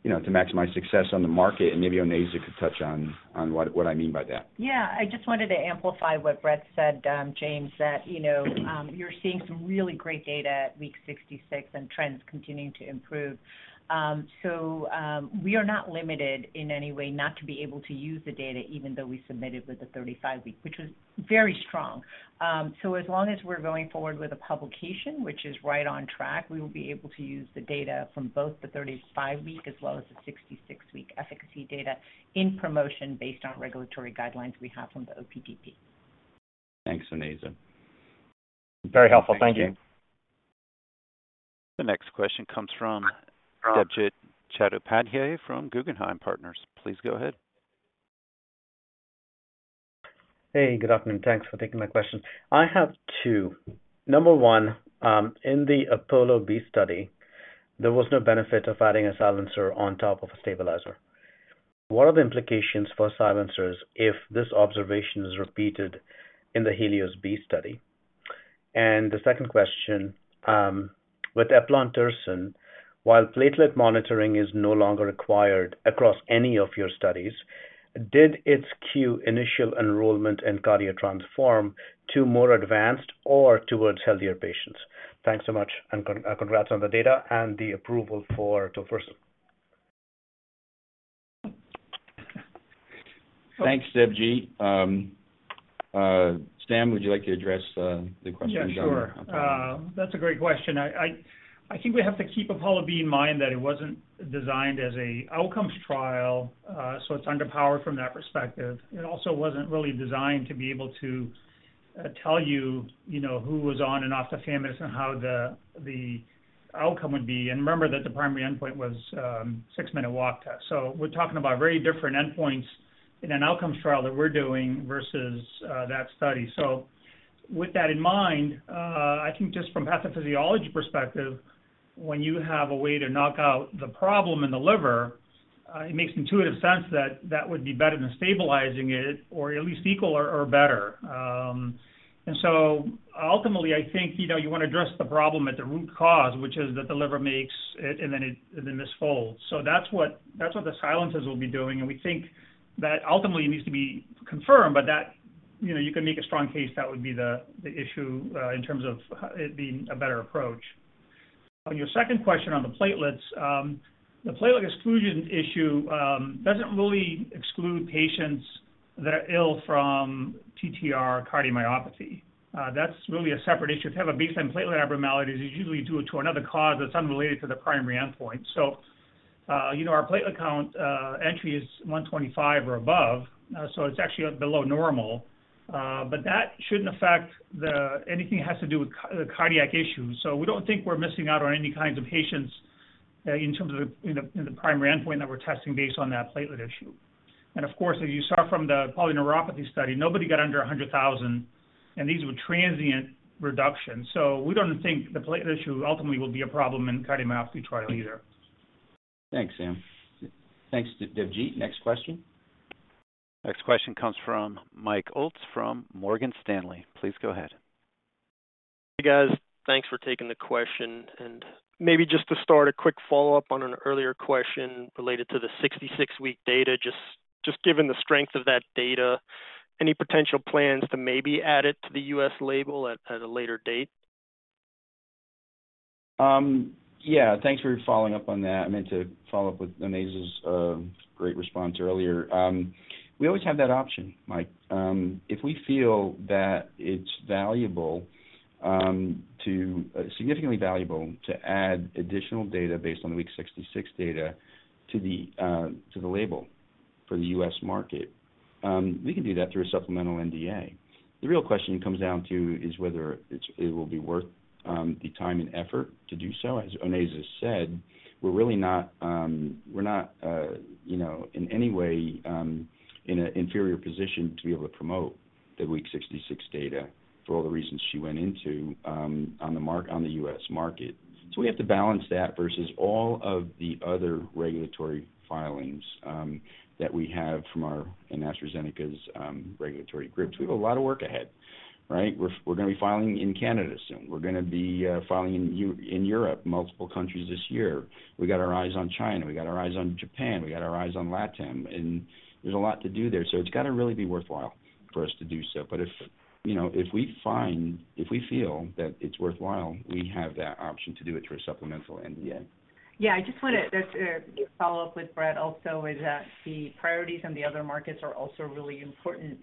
you know, to maximize success on the market. Maybe Onaiza could touch on what I mean by that. Yeah. I just wanted to amplify what Brett said, James, that, you know, you're seeing some really great data at week 66 and trends continuing to improve. We are not limited in any way not to be able to use the data even though we submitted with the 35 week, which was very strong. As long as we're going forward with a publication, which is right on track, we will be able to use the data from both the 35 week as well as the 66 week efficacy data in promotion based on regulatory guidelines we have from the OPDP. Thanks, Onaiza. Very helpful. Thank you. Thanks, James. The next question comes from Debjit Chattopadhyay from Guggenheim Partners. Please go ahead. Hey, good afternoon. Thanks for taking my question. I have two. Number one, in the APOLLO-B study, there was no benefit of adding a silencer on top of a stabilizer. What are the implications for silencers if this observation is repeated in the HELIOS-B study? The second question, with eplontersen, while platelet monitoring is no longer required across any of your studies, did its Q initial enrollment in Cardio-TTRansform to more advanced or towards healthier patients? Thanks so much and congrats on the data and the approval for tofersen. Thanks, Debjit. Sam, would you like to address the question. Yeah, sure. That's a great question. I think we have to keep APOLLO-B in mind that it wasn't designed as a outcomes trial, so it's underpowered from that perspective. It also wasn't really designed to be able to tell you know, who was on and off the tafamidis and how the outcome would be. Remember that the primary endpoint was six-minute walk test. We're talking about very different endpoints in an outcomes trial that we're doing versus that study. With that in mind, I think just from pathophysiology perspective, when you have a way to knock out the problem in the liver, it makes intuitive sense that that would be better than stabilizing it or at least equal or better. I think, you know, you want to address the problem at the root cause, which is that the liver makes it and then this folds. That's what the silencers will be doing, and we think that ultimately needs to be confirmed. That, you know, you can make a strong case that would be the issue in terms of it being a better approach. On your second question on the platelets, the platelet exclusion issue doesn't really exclude patients that are ill from TTR cardiomyopathy. That's really a separate issue. To have a baseline platelet abnormality is usually due to another cause that's unrelated to the primary endpoint. You know, our platelet count entry is 125 or above. It's actually below normal. That shouldn't affect anything that has to do with cardiac issues. We don't think we're missing out on any kinds of patients in terms of in the primary endpoint that we're testing based on that platelet issue. Of course, as you saw from the polyneuropathy study, nobody got under 100,000, and these were transient reductions. We don't think the platelet issue ultimately will be a problem in cardiomyopathy trial either. Thanks, Sam. Thanks, Debjit. Next question. Next question comes from Michael Ulz from Morgan Stanley. Please go ahead. Hey, guys. Thanks for taking the question. Maybe just to start, a quick follow-up on an earlier question related to the 66-week data. Just given the strength of that data, any potential plans to maybe add it to the US label at a later date? Yeah, thanks for following up on that. I meant to follow up with Onaiza's great response earlier. We always have that option, Mike. If we feel that it's valuable, significantly valuable to add additional data based on the week 66 data to the label for the U.S. market, we can do that through a supplemental NDA. The real question it comes down to is whether it's, it will be worth the time and effort to do so. As Onaiza said, we're really not, we're not, you know, in any way, in an inferior position to be able to promote the week 66 data for all the reasons she went into on the U.S. market. We have to balance that versus all of the other regulatory filings that we have from our and AstraZeneca's regulatory groups. We have a lot of work ahead, right? We're gonna be filing in Canada soon. We're gonna be filing in Europe, multiple countries this year. We got our eyes on China. We got our eyes on Japan. We got our eyes on LATAM, and there's a lot to do there. It's got to really be worthwhile for us to do so. If, you know, if we feel that it's worthwhile, we have that option to do it through a supplemental NDA. I just wanna follow up with Brett also is that the priorities in the other markets are also really important.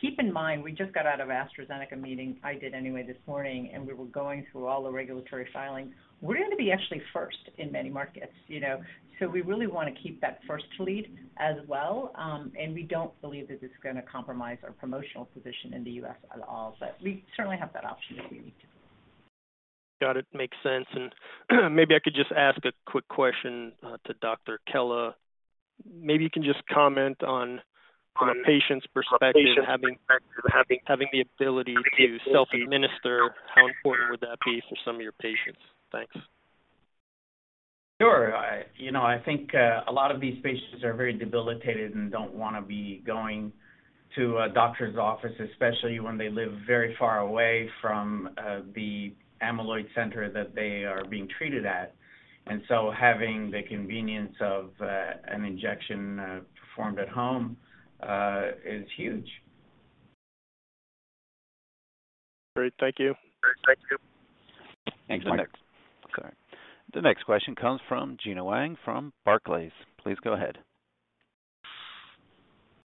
Keep in mind, we just got out of AstraZeneca meeting, I did anyway this morning, and we were going through all the regulatory filings. We're gonna be actually first in many markets, you know. We really wanna keep that first lead as well. We don't believe that this is gonna compromise our promotional position in the U.S. at all. We certainly have that option if we need to. Got it. Makes sense. Maybe I could just ask a quick question to Dr. Khella. Maybe you can just comment on, from a patient's perspective, having the ability to self-administer, how important would that be for some of your patients? Thanks. Sure. You know, I think, a lot of these patients are very debilitated and don't wanna be going to a doctor's office, especially when they live very far away from, the amyloid center that they are being treated at. Having the convenience of, an injection, performed at home, is huge. Great. Thank you. Thanks, Mike. The next question comes from Gena Wang from Barclays. Please go ahead.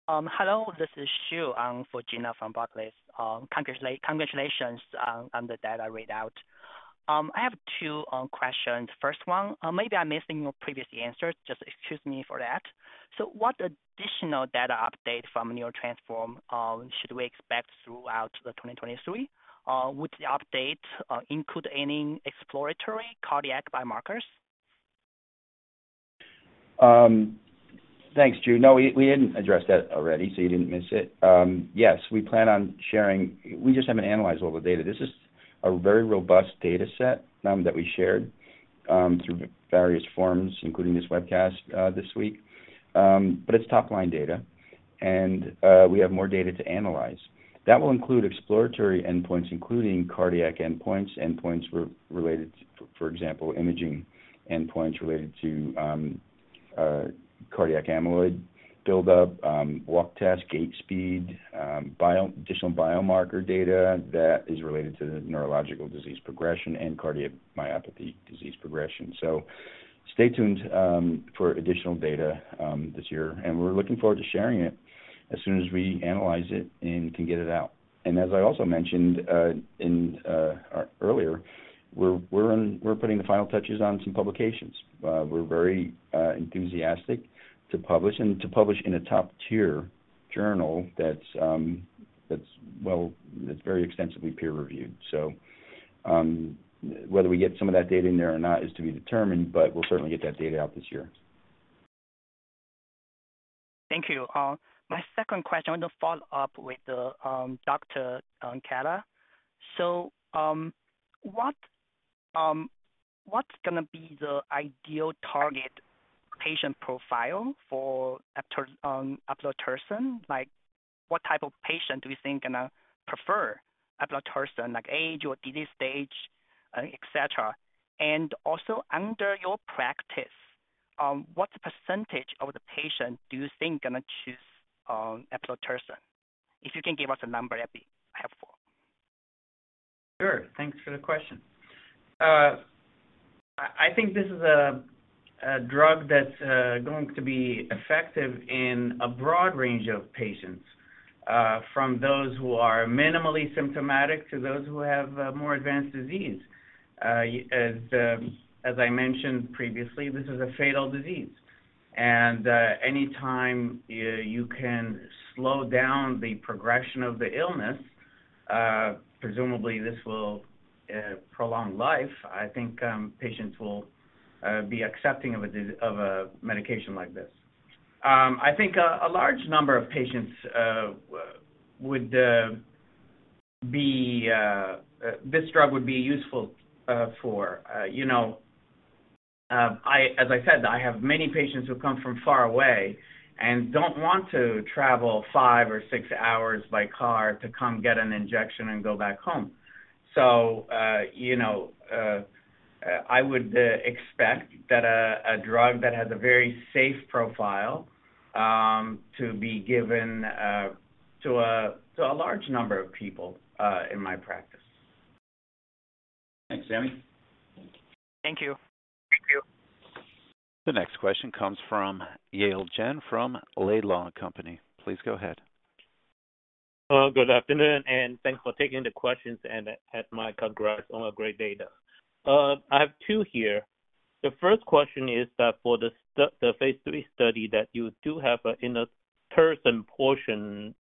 Hello, this is Huidong. I'm for Gena from Barclays. Congratulations on the data readout. I have two questions. First one, maybe I'm missing your previous answers. Just excuse me for that. What additional data update from NEURO-TTRansform should we expect throughout 2023? Would the update include any exploratory cardiac biomarkers? Thanks, Huidong. No, we hadn't addressed that already, so you didn't miss it. Yes, we plan on sharing. We just haven't analyzed all the data. This is a very robust data set that we shared through various forms, including this webcast this week. It's top-line data, and we have more data to analyze. That will include exploratory endpoints, including cardiac endpoints related, for example, imaging endpoints related to cardiac amyloid buildup, walk test, gait speed, additional biomarker data that is related to neurological disease progression and cardiomyopathy disease progression. Stay tuned for additional data this year, and we're looking forward to sharing it as soon as we analyze it and can get it out. As I also mentioned earlier, we're putting the final touches on some publications. We're very enthusiastic to publish and to publish in a top-tier journal that's well, that's very extensively peer-reviewed. Whether we get some of that data in there or not is to be determined, but we'll certainly get that data out this year. Thank you. My second question, I want to follow up with Dr. Khella. What's gonna be the ideal target patient profile for eplontersen? Like, what type of patient do you think gonna prefer eplontersen, like age or disease stage, etcetera? Under your practice, what percentage of the patient do you think gonna choose eplontersen? If you can give us a number, that'd be helpful. Sure. Thanks for the question. I think this is a drug that's going to be effective in a broad range of patients, from those who are minimally symptomatic to those who have more advanced disease. As I mentioned previously, this is a fatal disease. Anytime you can slow down the progression of the illness, presumably this will prolong life. I think patients will be accepting of a medication like this. I think a large number of patients would be this drug would be useful for. You know, I, as I said, I have many patients who come from far away and don't want to travel five or six hours by car to come get an injection and go back home. you know, I would expect that a drug that has a very safe profile, to be given to a large number of people in my practice. Thanks, Sami. Thank you. Thank you. The next question comes from Yale Jen from Laidlaw & Company. Please go ahead. Hello, good afternoon, thanks for taking the questions, and my congrats on a great data. I have 2 here. The first question is that for the phase III study that you do have in inotersen portion,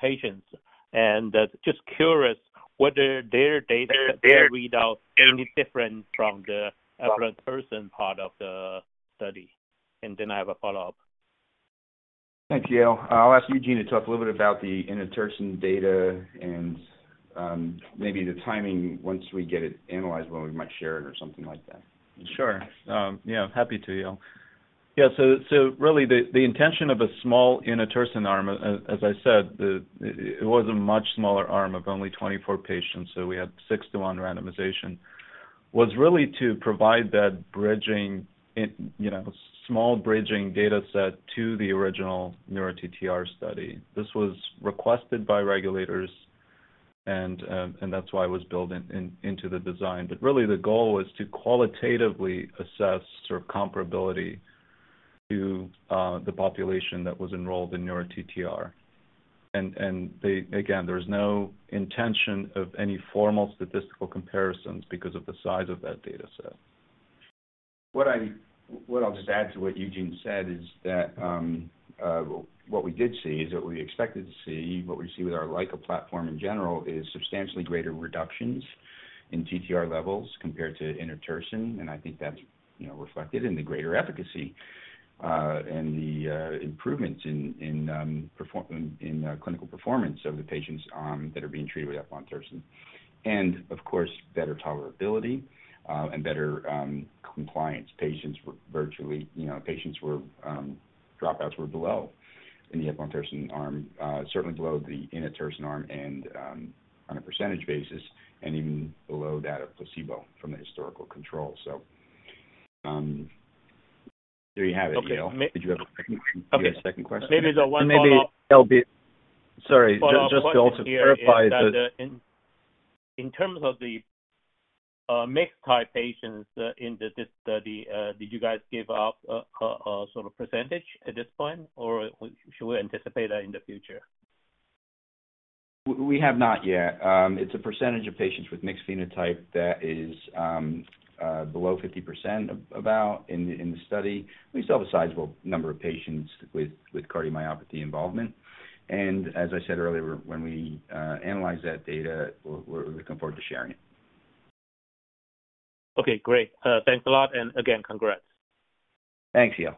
patients, and just curious whether their data readout any different from the eplontersen part of the study. I have a follow-up. Thanks, Yale. I'll ask Eugene to talk a little bit about the inotersen data and, maybe the timing once we get it analyzed, when we might share it or something like that. Sure. Yeah, happy to, Yale. Really the intention of a small inotersen arm, as I said, it was a much smaller arm of only 24 patients, so we had 6 to 1 randomization, was really to provide that bridging in, you know, small bridging data set to the original NEURO-TTR study. This was requested by regulators and that's why it was built into the design. Really the goal is to qualitatively assess sort of comparability to the population that was enrolled in NEURO-TTR. Again, there's no intention of any formal statistical comparisons because of the size of that data set. What I'll just add to what Eugene said is that what we did see is what we expected to see, what we see with our LICA platform in general, is substantially greater reductions in TTR levels compared to inotersen. I think that's, you know, reflected in the greater efficacy and the improvements in clinical performance of the patients that are being treated with eplontersen. Of course, better tolerability and better compliance. Patients were virtually, you know, patients were dropouts were below in the eplontersen arm, certainly below the inotersen arm and on a percentage basis and even below that of placebo from the historical control. There you have it, Yale. Okay. Did you have a second, you had a second question? Maybe the one follow-up. maybe, Yale, just to also clarify. Follow-up question here is that, in terms of the mixed type patients, in the disc study, did you guys give out a sort of percentage at this point, or should we anticipate that in the future? We have not yet. It's a percentage of patients with mixed phenotype that is below 50% about in the study. We still have a sizable number of patients with cardiomyopathy involvement. As I said earlier, when we analyze that data, we're looking forward to sharing it. Okay, great. Thanks a lot, and again, congrats. Thanks, Yale.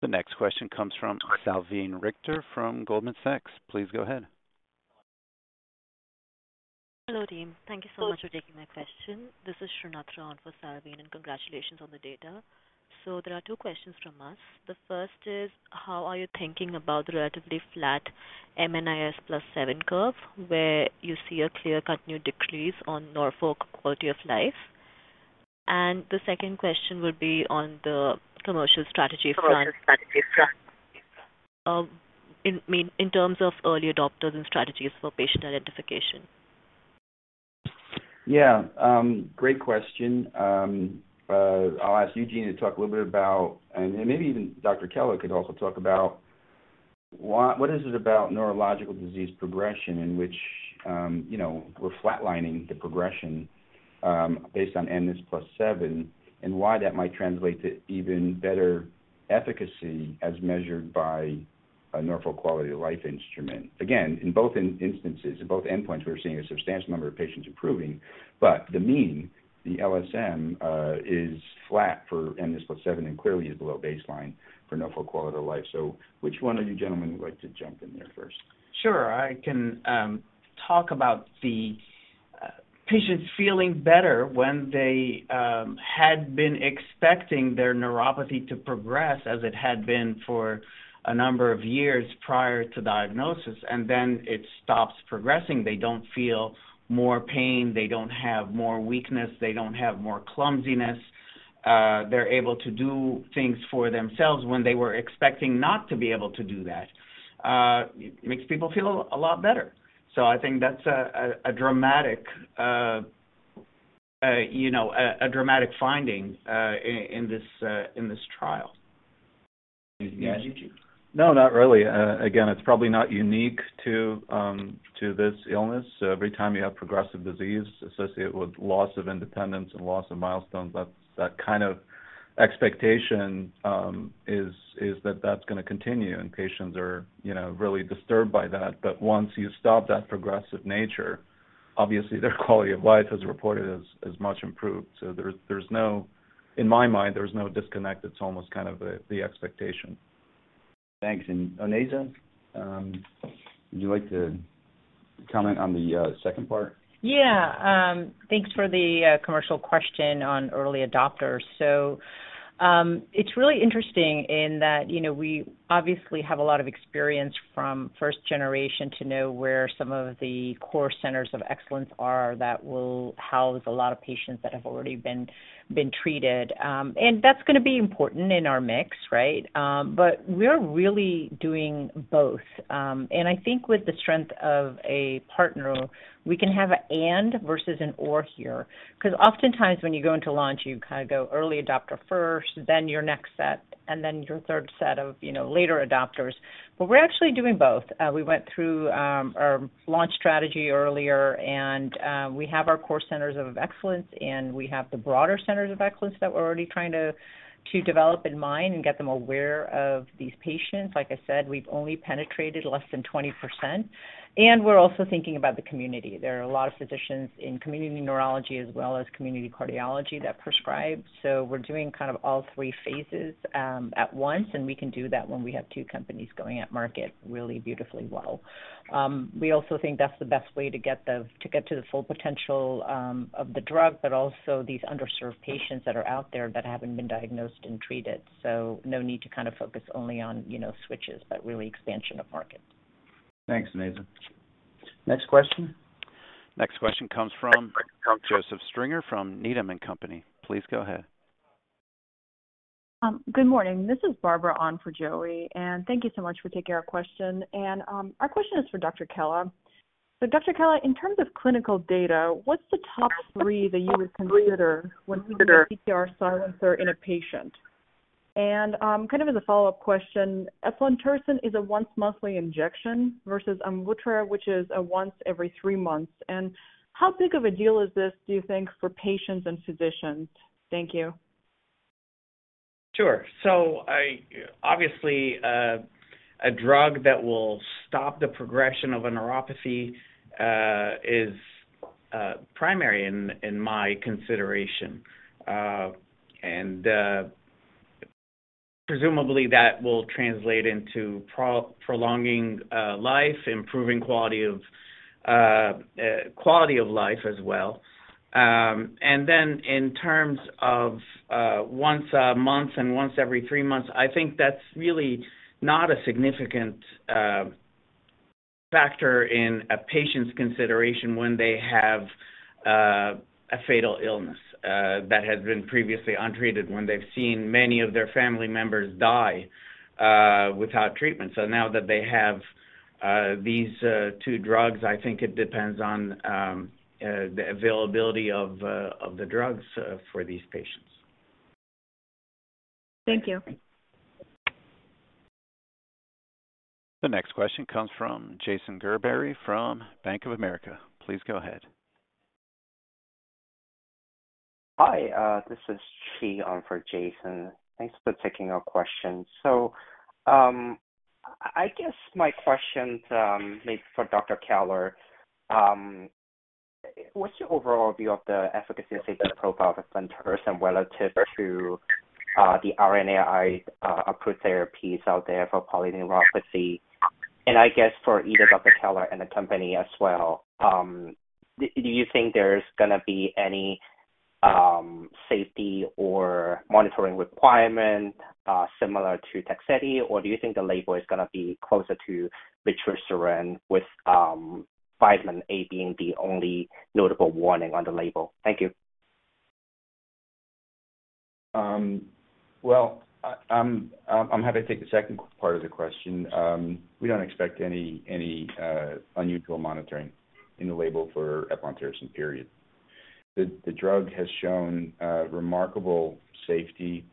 The next question comes from Salveen Richter from Goldman Sachs. Please go ahead. Hello, team. Thank you so much for taking my question. This is Srinathra on for Salveen. Congratulations on the data. There are two questions from us. The first is, how are you thinking about the relatively flat mNIS+7 curve, where you see a clear-cut new decrease on Norfolk Quality of Life? The second question would be on the commercial strategy front in terms of early adopters and strategies for patient identification. Yeah, great question. I'll ask Eugene to talk a little bit about, and maybe even Dr. Khella could also talk about what is it about neurological disease progression in which, you know, we're flatlining the progression, based on mNIS+7, and why that might translate to even better efficacy as measured by Neuro-QoL instrument. In both instances, in both endpoints, we're seeing a substantial number of patients improving, the mean, the LS mean, is flat for mNIS+7 and clearly is below baseline for Neuro-QoL. Which one of you gentlemen would like to jump in there first? Sure. I can talk about the patients feeling better when they had been expecting their neuropathy to progress as it had been for a number of years prior to diagnosis, and then it stops progressing. They don't feel more pain. They don't have more weakness. They don't have more clumsiness. They're able to do things for themselves when they were expecting not to be able to do that. It makes people feel a lot better. I think that's a dramatic, you know, a dramatic finding in this, in this trial. Yeah. Did you? No, not really. Again, it's probably not unique to this illness. Every time you have progressive disease associated with loss of independence and loss of milestones, that kind of expectation is that that's gonna continue, and patients are, you know, really disturbed by that. Once you stop that progressive nature, obviously their quality of life as reported is much improved. There's no... In my mind, there's no disconnect. It's almost kind of the expectation. Thanks. Onaiza, would you like to comment on the second part? Yeah. Thanks for the commercial question on early adopters. It's really interesting in that, you know, we obviously have a lot of experience from first generation to know where some of the core centers of excellence are that will house a lot of patients that have already been treated. That's gonna be important in our mix, right? We're really doing both. I think with the strength of a partner, we can have an and versus an or here. 'Cause oftentimes when you go into launch, you kind of go early adopter first, then your next set, and then your third set of, you know, later adopters. But we're actually doing both. We went through our launch strategy earlier, and we have our core centers of excellence, and we have the broader centers of excellence that we're already trying to develop in mind and get them aware of these patients. Like I said, we've only penetrated less than 20%. We're also thinking about the community. There are a lot of physicians in community neurology as well as community cardiology that prescribe. We're doing kind of all three phases at once, and we can do that when we have two companies going at market really beautifully well. We also think that's the best way to get to the full potential of the drug, but also these underserved patients that are out there that haven't been diagnosed and treated. No need to kind of focus only on, you know, switches, but really expansion of market. Thanks, Onaiza. Next question. Next question comes from Joseph Stringer from Needham & Company. Please go ahead. Good morning. This is Barbara on for Joseph, thank you so much for taking our question. Our question is for Dr. Khella. Dr. Khella, in terms of clinical data, what's the top three that you would consider when treating TTR amyloidosis in a patient? Kind of as a follow-up question, eplontersen is a once monthly injection versus AMVUTTRA, which is a once every three months. How big of a deal is this, do you think, for patients and physicians? Thank you. Sure. Obviously, a drug that will stop the progression of a neuropathy is primary in my consideration. Presumably that will translate into prolonging life, improving quality of life as well. In terms of once a month and once every three months, I think that's really not a significant factor in a patient's consideration when they have a fatal illness that has been previously untreated when they've seen many of their family members die without treatment. Now that they have these two drugs, I think it depends on the availability of the drugs for these patients. Thank you. The next question comes from Jason Gerberry from Bank of America. Please go ahead. Hi. This is Chi on for Jason. Thanks for taking our question. I guess my question's maybe for Dr. Khella. What's your overall view of the efficacy and safety profile of eplontersen relative to the RNAi approved therapies out there for polyneuropathy? I guess for either Dr. Khella and the company as well, do you think there's gonna be any safety or monitoring requirement similar to TEGSEDI? Or do you think the label is gonna be closer to vutrisiran with five and A being the only notable warning on the label? Thank you. Well, I'm happy to take the second part of the question. We don't expect any unusual monitoring in the label for eplontersen, period. The drug has shown remarkable safety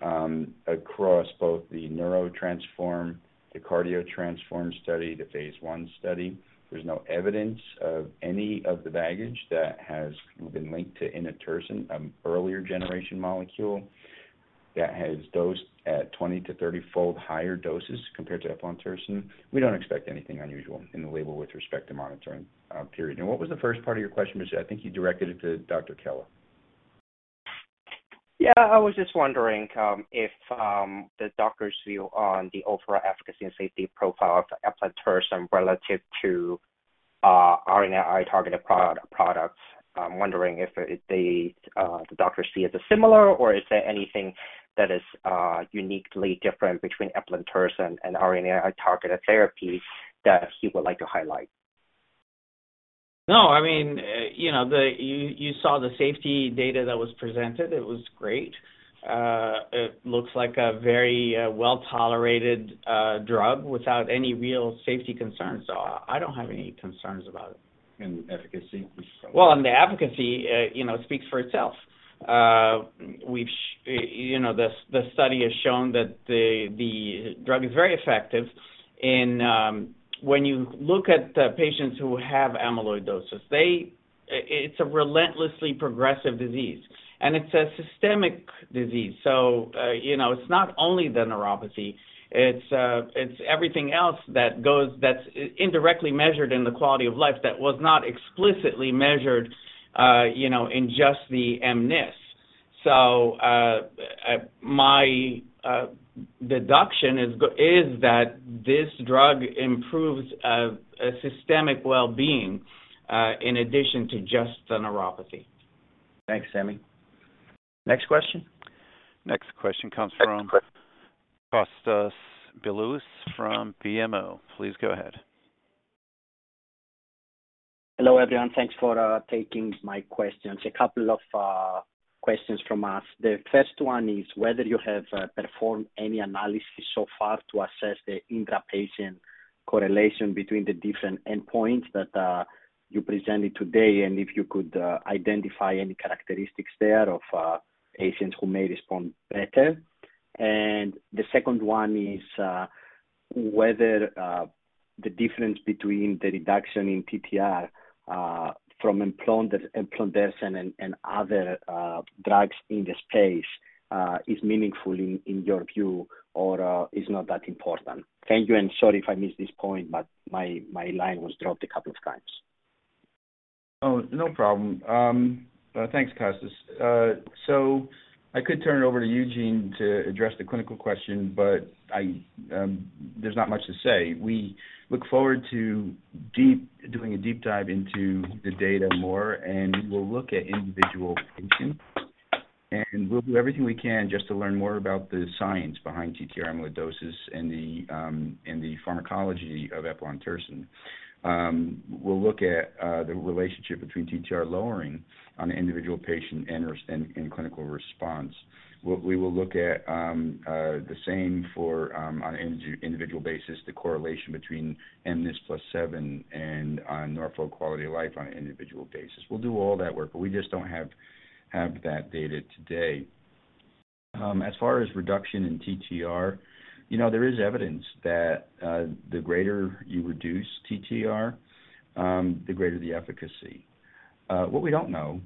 across both the NEURO-TTRansform, the Cardio-TTRansform study, the phase one study. There's no evidence of any of the baggage that has been linked to inotersen, an earlier generation molecule. That has dosed at 20 to 30-fold higher doses compared to eplerenone. We don't expect anything unusual in the label with respect to monitoring period. What was the first part of your question, which I think you directed it to Dr. Khella? Yeah, I was just wondering, if the doctor's view on the overall efficacy and safety profile of eplerenone relative to RNAi-targeted products. I'm wondering if they, the doctors see it as similar or is there anything that is uniquely different between eplerenone and RNAi-targeted therapy that you would like to highlight? No, I mean, you know, you saw the safety data that was presented. It was great. It looks like a very well-tolerated drug without any real safety concerns. I don't have any concerns about it. The efficacy? Well, the efficacy, you know, speaks for itself. We've you know, the study has shown that the drug is very effective in. When you look at the patients who have amyloidosis, it's a relentlessly progressive disease, and it's a systemic disease. you know, it's not only the neuropathy, it's everything else that goes, that's indirectly measured in the quality of life that was not explicitly measured, you know, in just the mNIS+7. my deduction is that this drug improves systemic well-being in addition to just the neuropathy. Thanks, Sami. Next question. Next question comes from Kostas Biliouris from BMO. Please go ahead. Hello, everyone. Thanks for taking my questions. A couple of questions from us. The first one is whether you have performed any analysis so far to assess the intra-patient correlation between the different endpoints that you presented today, and if you could identify any characteristics there of patients who may respond better. The second one is whether the difference between the reduction in TTR from eplerenone and other drugs in the space is meaningful in your view or is not that important. Thank you, and sorry if I missed this point, but my line was dropped a couple of times. No problem. Thanks, Kostas. I could turn it over to Eugene to address the clinical question, but I, there's not much to say. We look forward to doing a deep dive into the data more, and we'll look at individual patients. We'll do everything we can just to learn more about the science behind TTR amyloidosis and the pharmacology of eplerenone. We'll look at the relationship between TTR lowering on an individual patient and clinical response. We will look at the same for individual basis, the correlation between mNIS+7 and Neuro-QoL quality of life on an individual basis. We'll do all that work, but we just don't have that data today. As far as reduction in TTR, you know, there is evidence that the greater you reduce TTR, the greater the efficacy. What we don't know,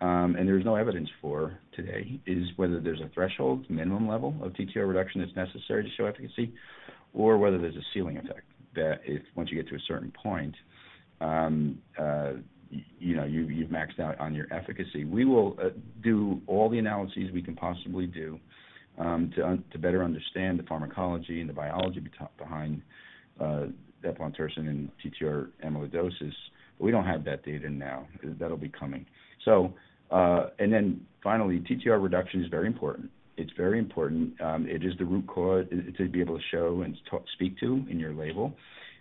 and there's no evidence for today is whether there's a threshold minimum level of TTR reduction that's necessary to show efficacy or whether there's a ceiling effect. That if once you get to a certain point, you know, you've maxed out on your efficacy. We will do all the analyses we can possibly do to better understand the pharmacology and the biology behind eplerenone and TTR amyloidosis. We don't have that data now. That'll be coming. Finally, TTR reduction is very important. It's very important. It is the root cause to be able to show and to speak to in your label.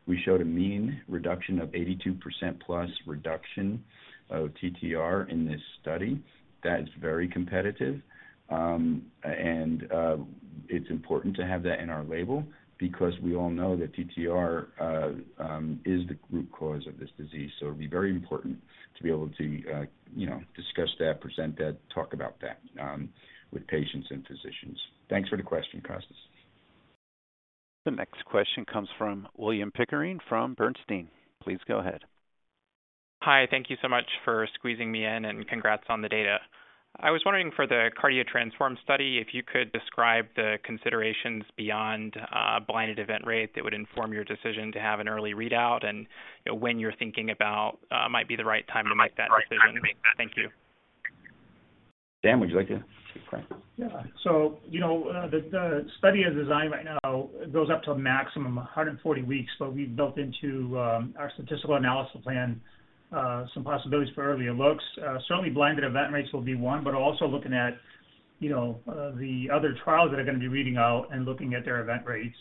We showed a mean reduction of 82% plus reduction of TTR in this study. That is very competitive. It's important to have that in our label because we all know that TTR is the root cause of this disease. It'll be very important to be able to, you know, discuss that, present that, talk about that with patients and physicians. Thanks for the question, Kostas. The next question comes from William Pickering from Bernstein. Please go ahead. Hi. Thank you so much for squeezing me in, and congrats on the data. I was wondering for the Cardio-TTRansform study, if you could describe the considerations beyond blinded event rate that would inform your decision to have an early readout and, you know, when you're thinking about might be the right time to make that decision. Thank you. Sam, would you like to? Yeah. You know, the study as designed right now goes up to a maximum 140 weeks. We built into our statistical analysis plan some possibilities for earlier looks. Certainly blinded event rates will be one, but also looking at, you know, the other trials that are going to be reading out and looking at their event rates.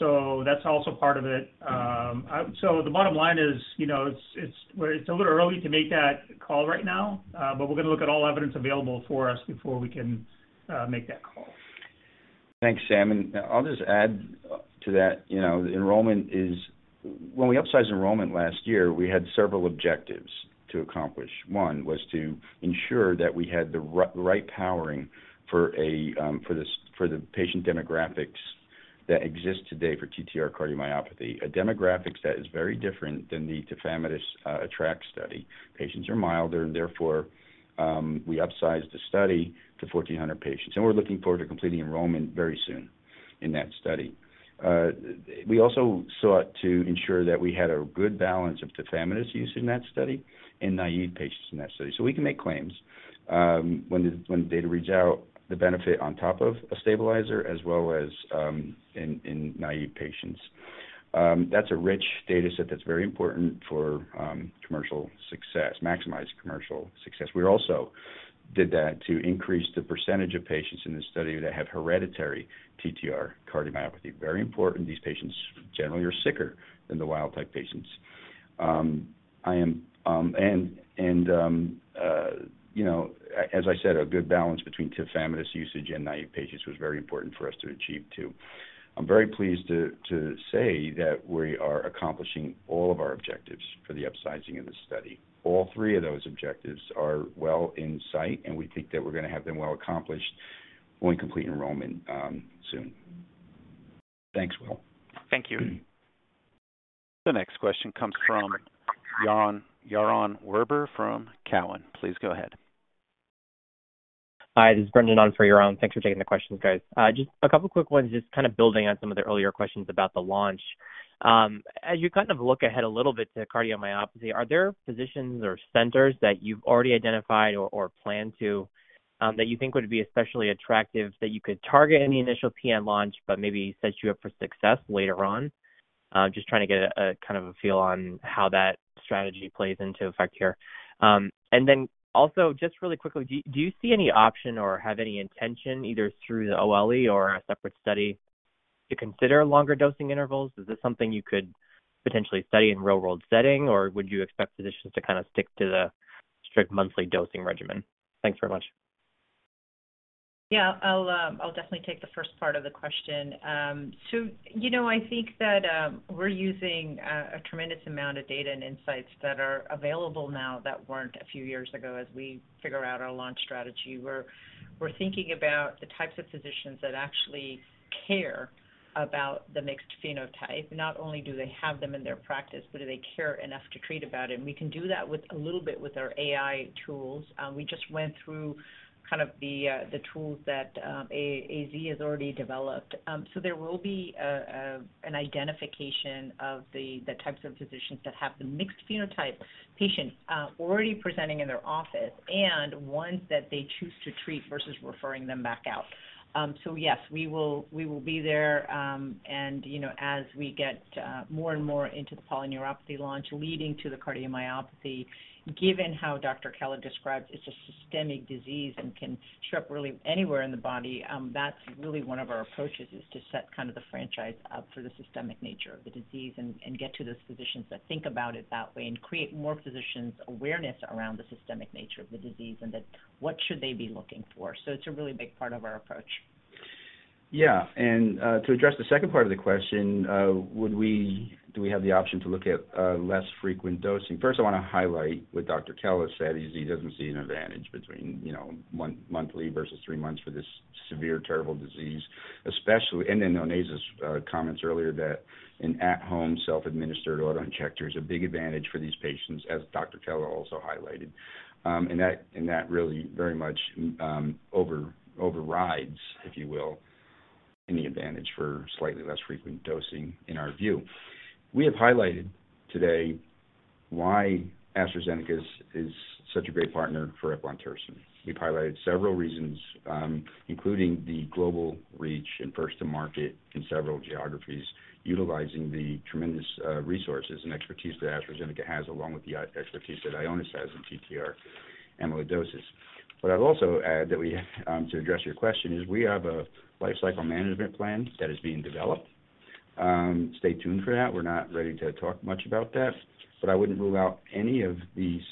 That's also part of it. The bottom line is, you know, it's a little early to make that call right now, but we're going to look at all evidence available for us before we can make that call. Thanks, Sam, and I'll just add to that. You know, when we upsized enrollment last year, we had several objectives to accomplish. One was to ensure that we had the right powering for a for this, for the patient demographics that exists today for TTR cardiomyopathy, a demographics that is very different than the tafamidis ATTR-ACT study. Patients are milder, therefore, we upsized the study to 1,400 patients, and we're looking forward to completing enrollment very soon in that study. We also sought to ensure that we had a good balance of tafamidis use in that study and naive patients in that study. We can make claims when the data reads out the benefit on top of a stabilizer as well as in naive patients. That's a rich data set that's very important for commercial success, maximize commercial success. We also did that to increase the percentage of patients in the study that have hereditary TTR cardiomyopathy. Very important. These patients generally are sicker than the wild type patients. I am, and, you know, as I said, a good balance between tafamidis usage and naive patients was very important for us to achieve, too. I'm very pleased to say that we are accomplishing all of our objectives for the upsizing of this study. All three of those objectives are well in sight, and we think that we're gonna have them well accomplished when we complete enrollment soon. Thanks, Will. Thank you. The next question comes from Yaron Werber from Cowen. Please go ahead. Hi, this is Brendan on for Yaron. Thanks for taking the questions, guys. Just a couple quick ones, just kind of building on some of the earlier questions about the launch. As you kind of look ahead a little bit to cardiomyopathy, are there physicians or centers that you've already identified or plan to, that you think would be especially attractive that you could target in the initial PM launch but maybe set you up for success later on? Just trying to get a kind of a feel on how that strategy plays into effect here. Then also, just really quickly, do you see any option or have any intention, either through the OLE or a separate study, to consider longer dosing intervals? Is this something you could potentially study in real-world setting, or would you expect physicians to kinda stick to the strict monthly dosing regimen? Thanks very much. Yeah, I'll definitely take the first part of the question. You know, I think that we're using a tremendous amount of data and insights that are available now that weren't a few years ago as we figure out our launch strategy. We're thinking about the types of physicians that actually care about the mixed phenotype. Not only do they have them in their practice, but do they care enough to treat about it? We can do that with a little bit with our AI tools. We just went through kind of the tools that A-AZ has already developed. There will be an identification of the types of physicians that have the mixed phenotype patients already presenting in their office and ones that they choose to treat versus referring them back out. Yes, we will be there, you know, as we get more and more into the polyneuropathy launch leading to the cardiomyopathy, given how Dr. Khella describes it's a systemic disease and can show up really anywhere in the body, that's really one of our approaches is to set kind of the franchise up for the systemic nature of the disease and get to those physicians that think about it that way and create more physicians' awareness around the systemic nature of the disease and that what should they be looking for. It's a really big part of our approach. Yeah, to address the second part of the question, do we have the option to look at less frequent dosing? First, I want to highlight what Dr. Khella said is he doesn't see an advantage between, you know, monthly versus 3 months for this severe terrible disease, especially. Then Onaiza's comments earlier that an at-home self-administered autoinjector is a big advantage for these patients, as Dr. Khella also highlighted. That really very much overrides, if you will, any advantage for slightly less frequent dosing in our view. We have highlighted today why AstraZeneca is such a great partner for eplontersen. We've highlighted several reasons, including the global reach and first to market in several geographies, utilizing the tremendous resources and expertise that AstraZeneca has, along with the expertise that Ionis has in TTR amyloidosis. What I'd also add that we have, to address your question, is we have a lifecycle management plan that is being developed. Stay tuned for that. We're not ready to talk much about that, but I wouldn't rule out any of these,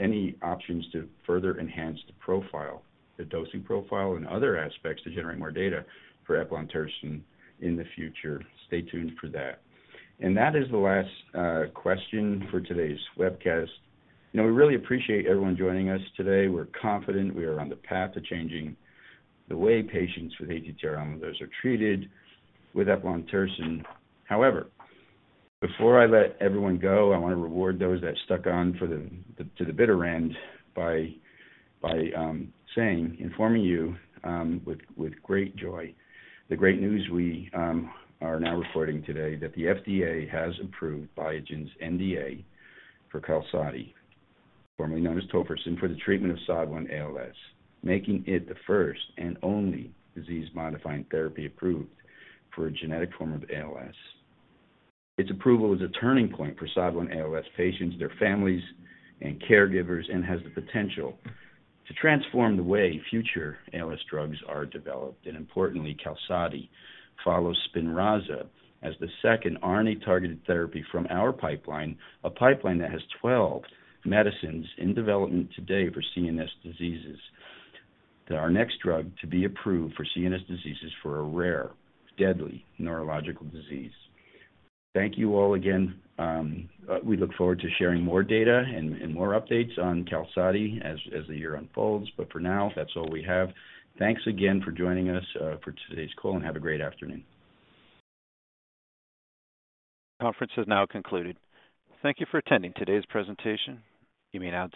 any options to further enhance the profile, the dosing profile and other aspects to generate more data for eplontersen in the future. Stay tuned for that. That is the last question for today's webcast. You know, we really appreciate everyone joining us today. We're confident we are on the path to changing the way patients with ATTR amyloidosis are treated with eplontersen. However, before I let everyone go, I want to reward those that stuck on for the, to the bitter end by saying, informing you with great joy the great news we are now reporting today that the FDA has approved Biogen's NDA for QALSODY, formerly known as tofersen, for the treatment of SOD1 ALS, making it the first and only disease-modifying therapy approved for a genetic form of ALS. Its approval is a turning point for SOD1 ALS patients, their families, and caregivers, and has the potential to transform the way future ALS drugs are developed. Importantly, QALSODY follows SPINRAZA as the second RNA-targeted therapy from our pipeline, a pipeline that has 12 medicines in development today for CNS diseases. That our next drug to be approved for CNS diseases for a rare, deadly neurological disease. Thank you all again. We look forward to sharing more data and more updates on QALSODY as the year unfolds. For now, that's all we have. Thanks again for joining us for today's call, and have a great afternoon. Conference is now concluded. Thank you for attending today's presentation. You may now disconnect.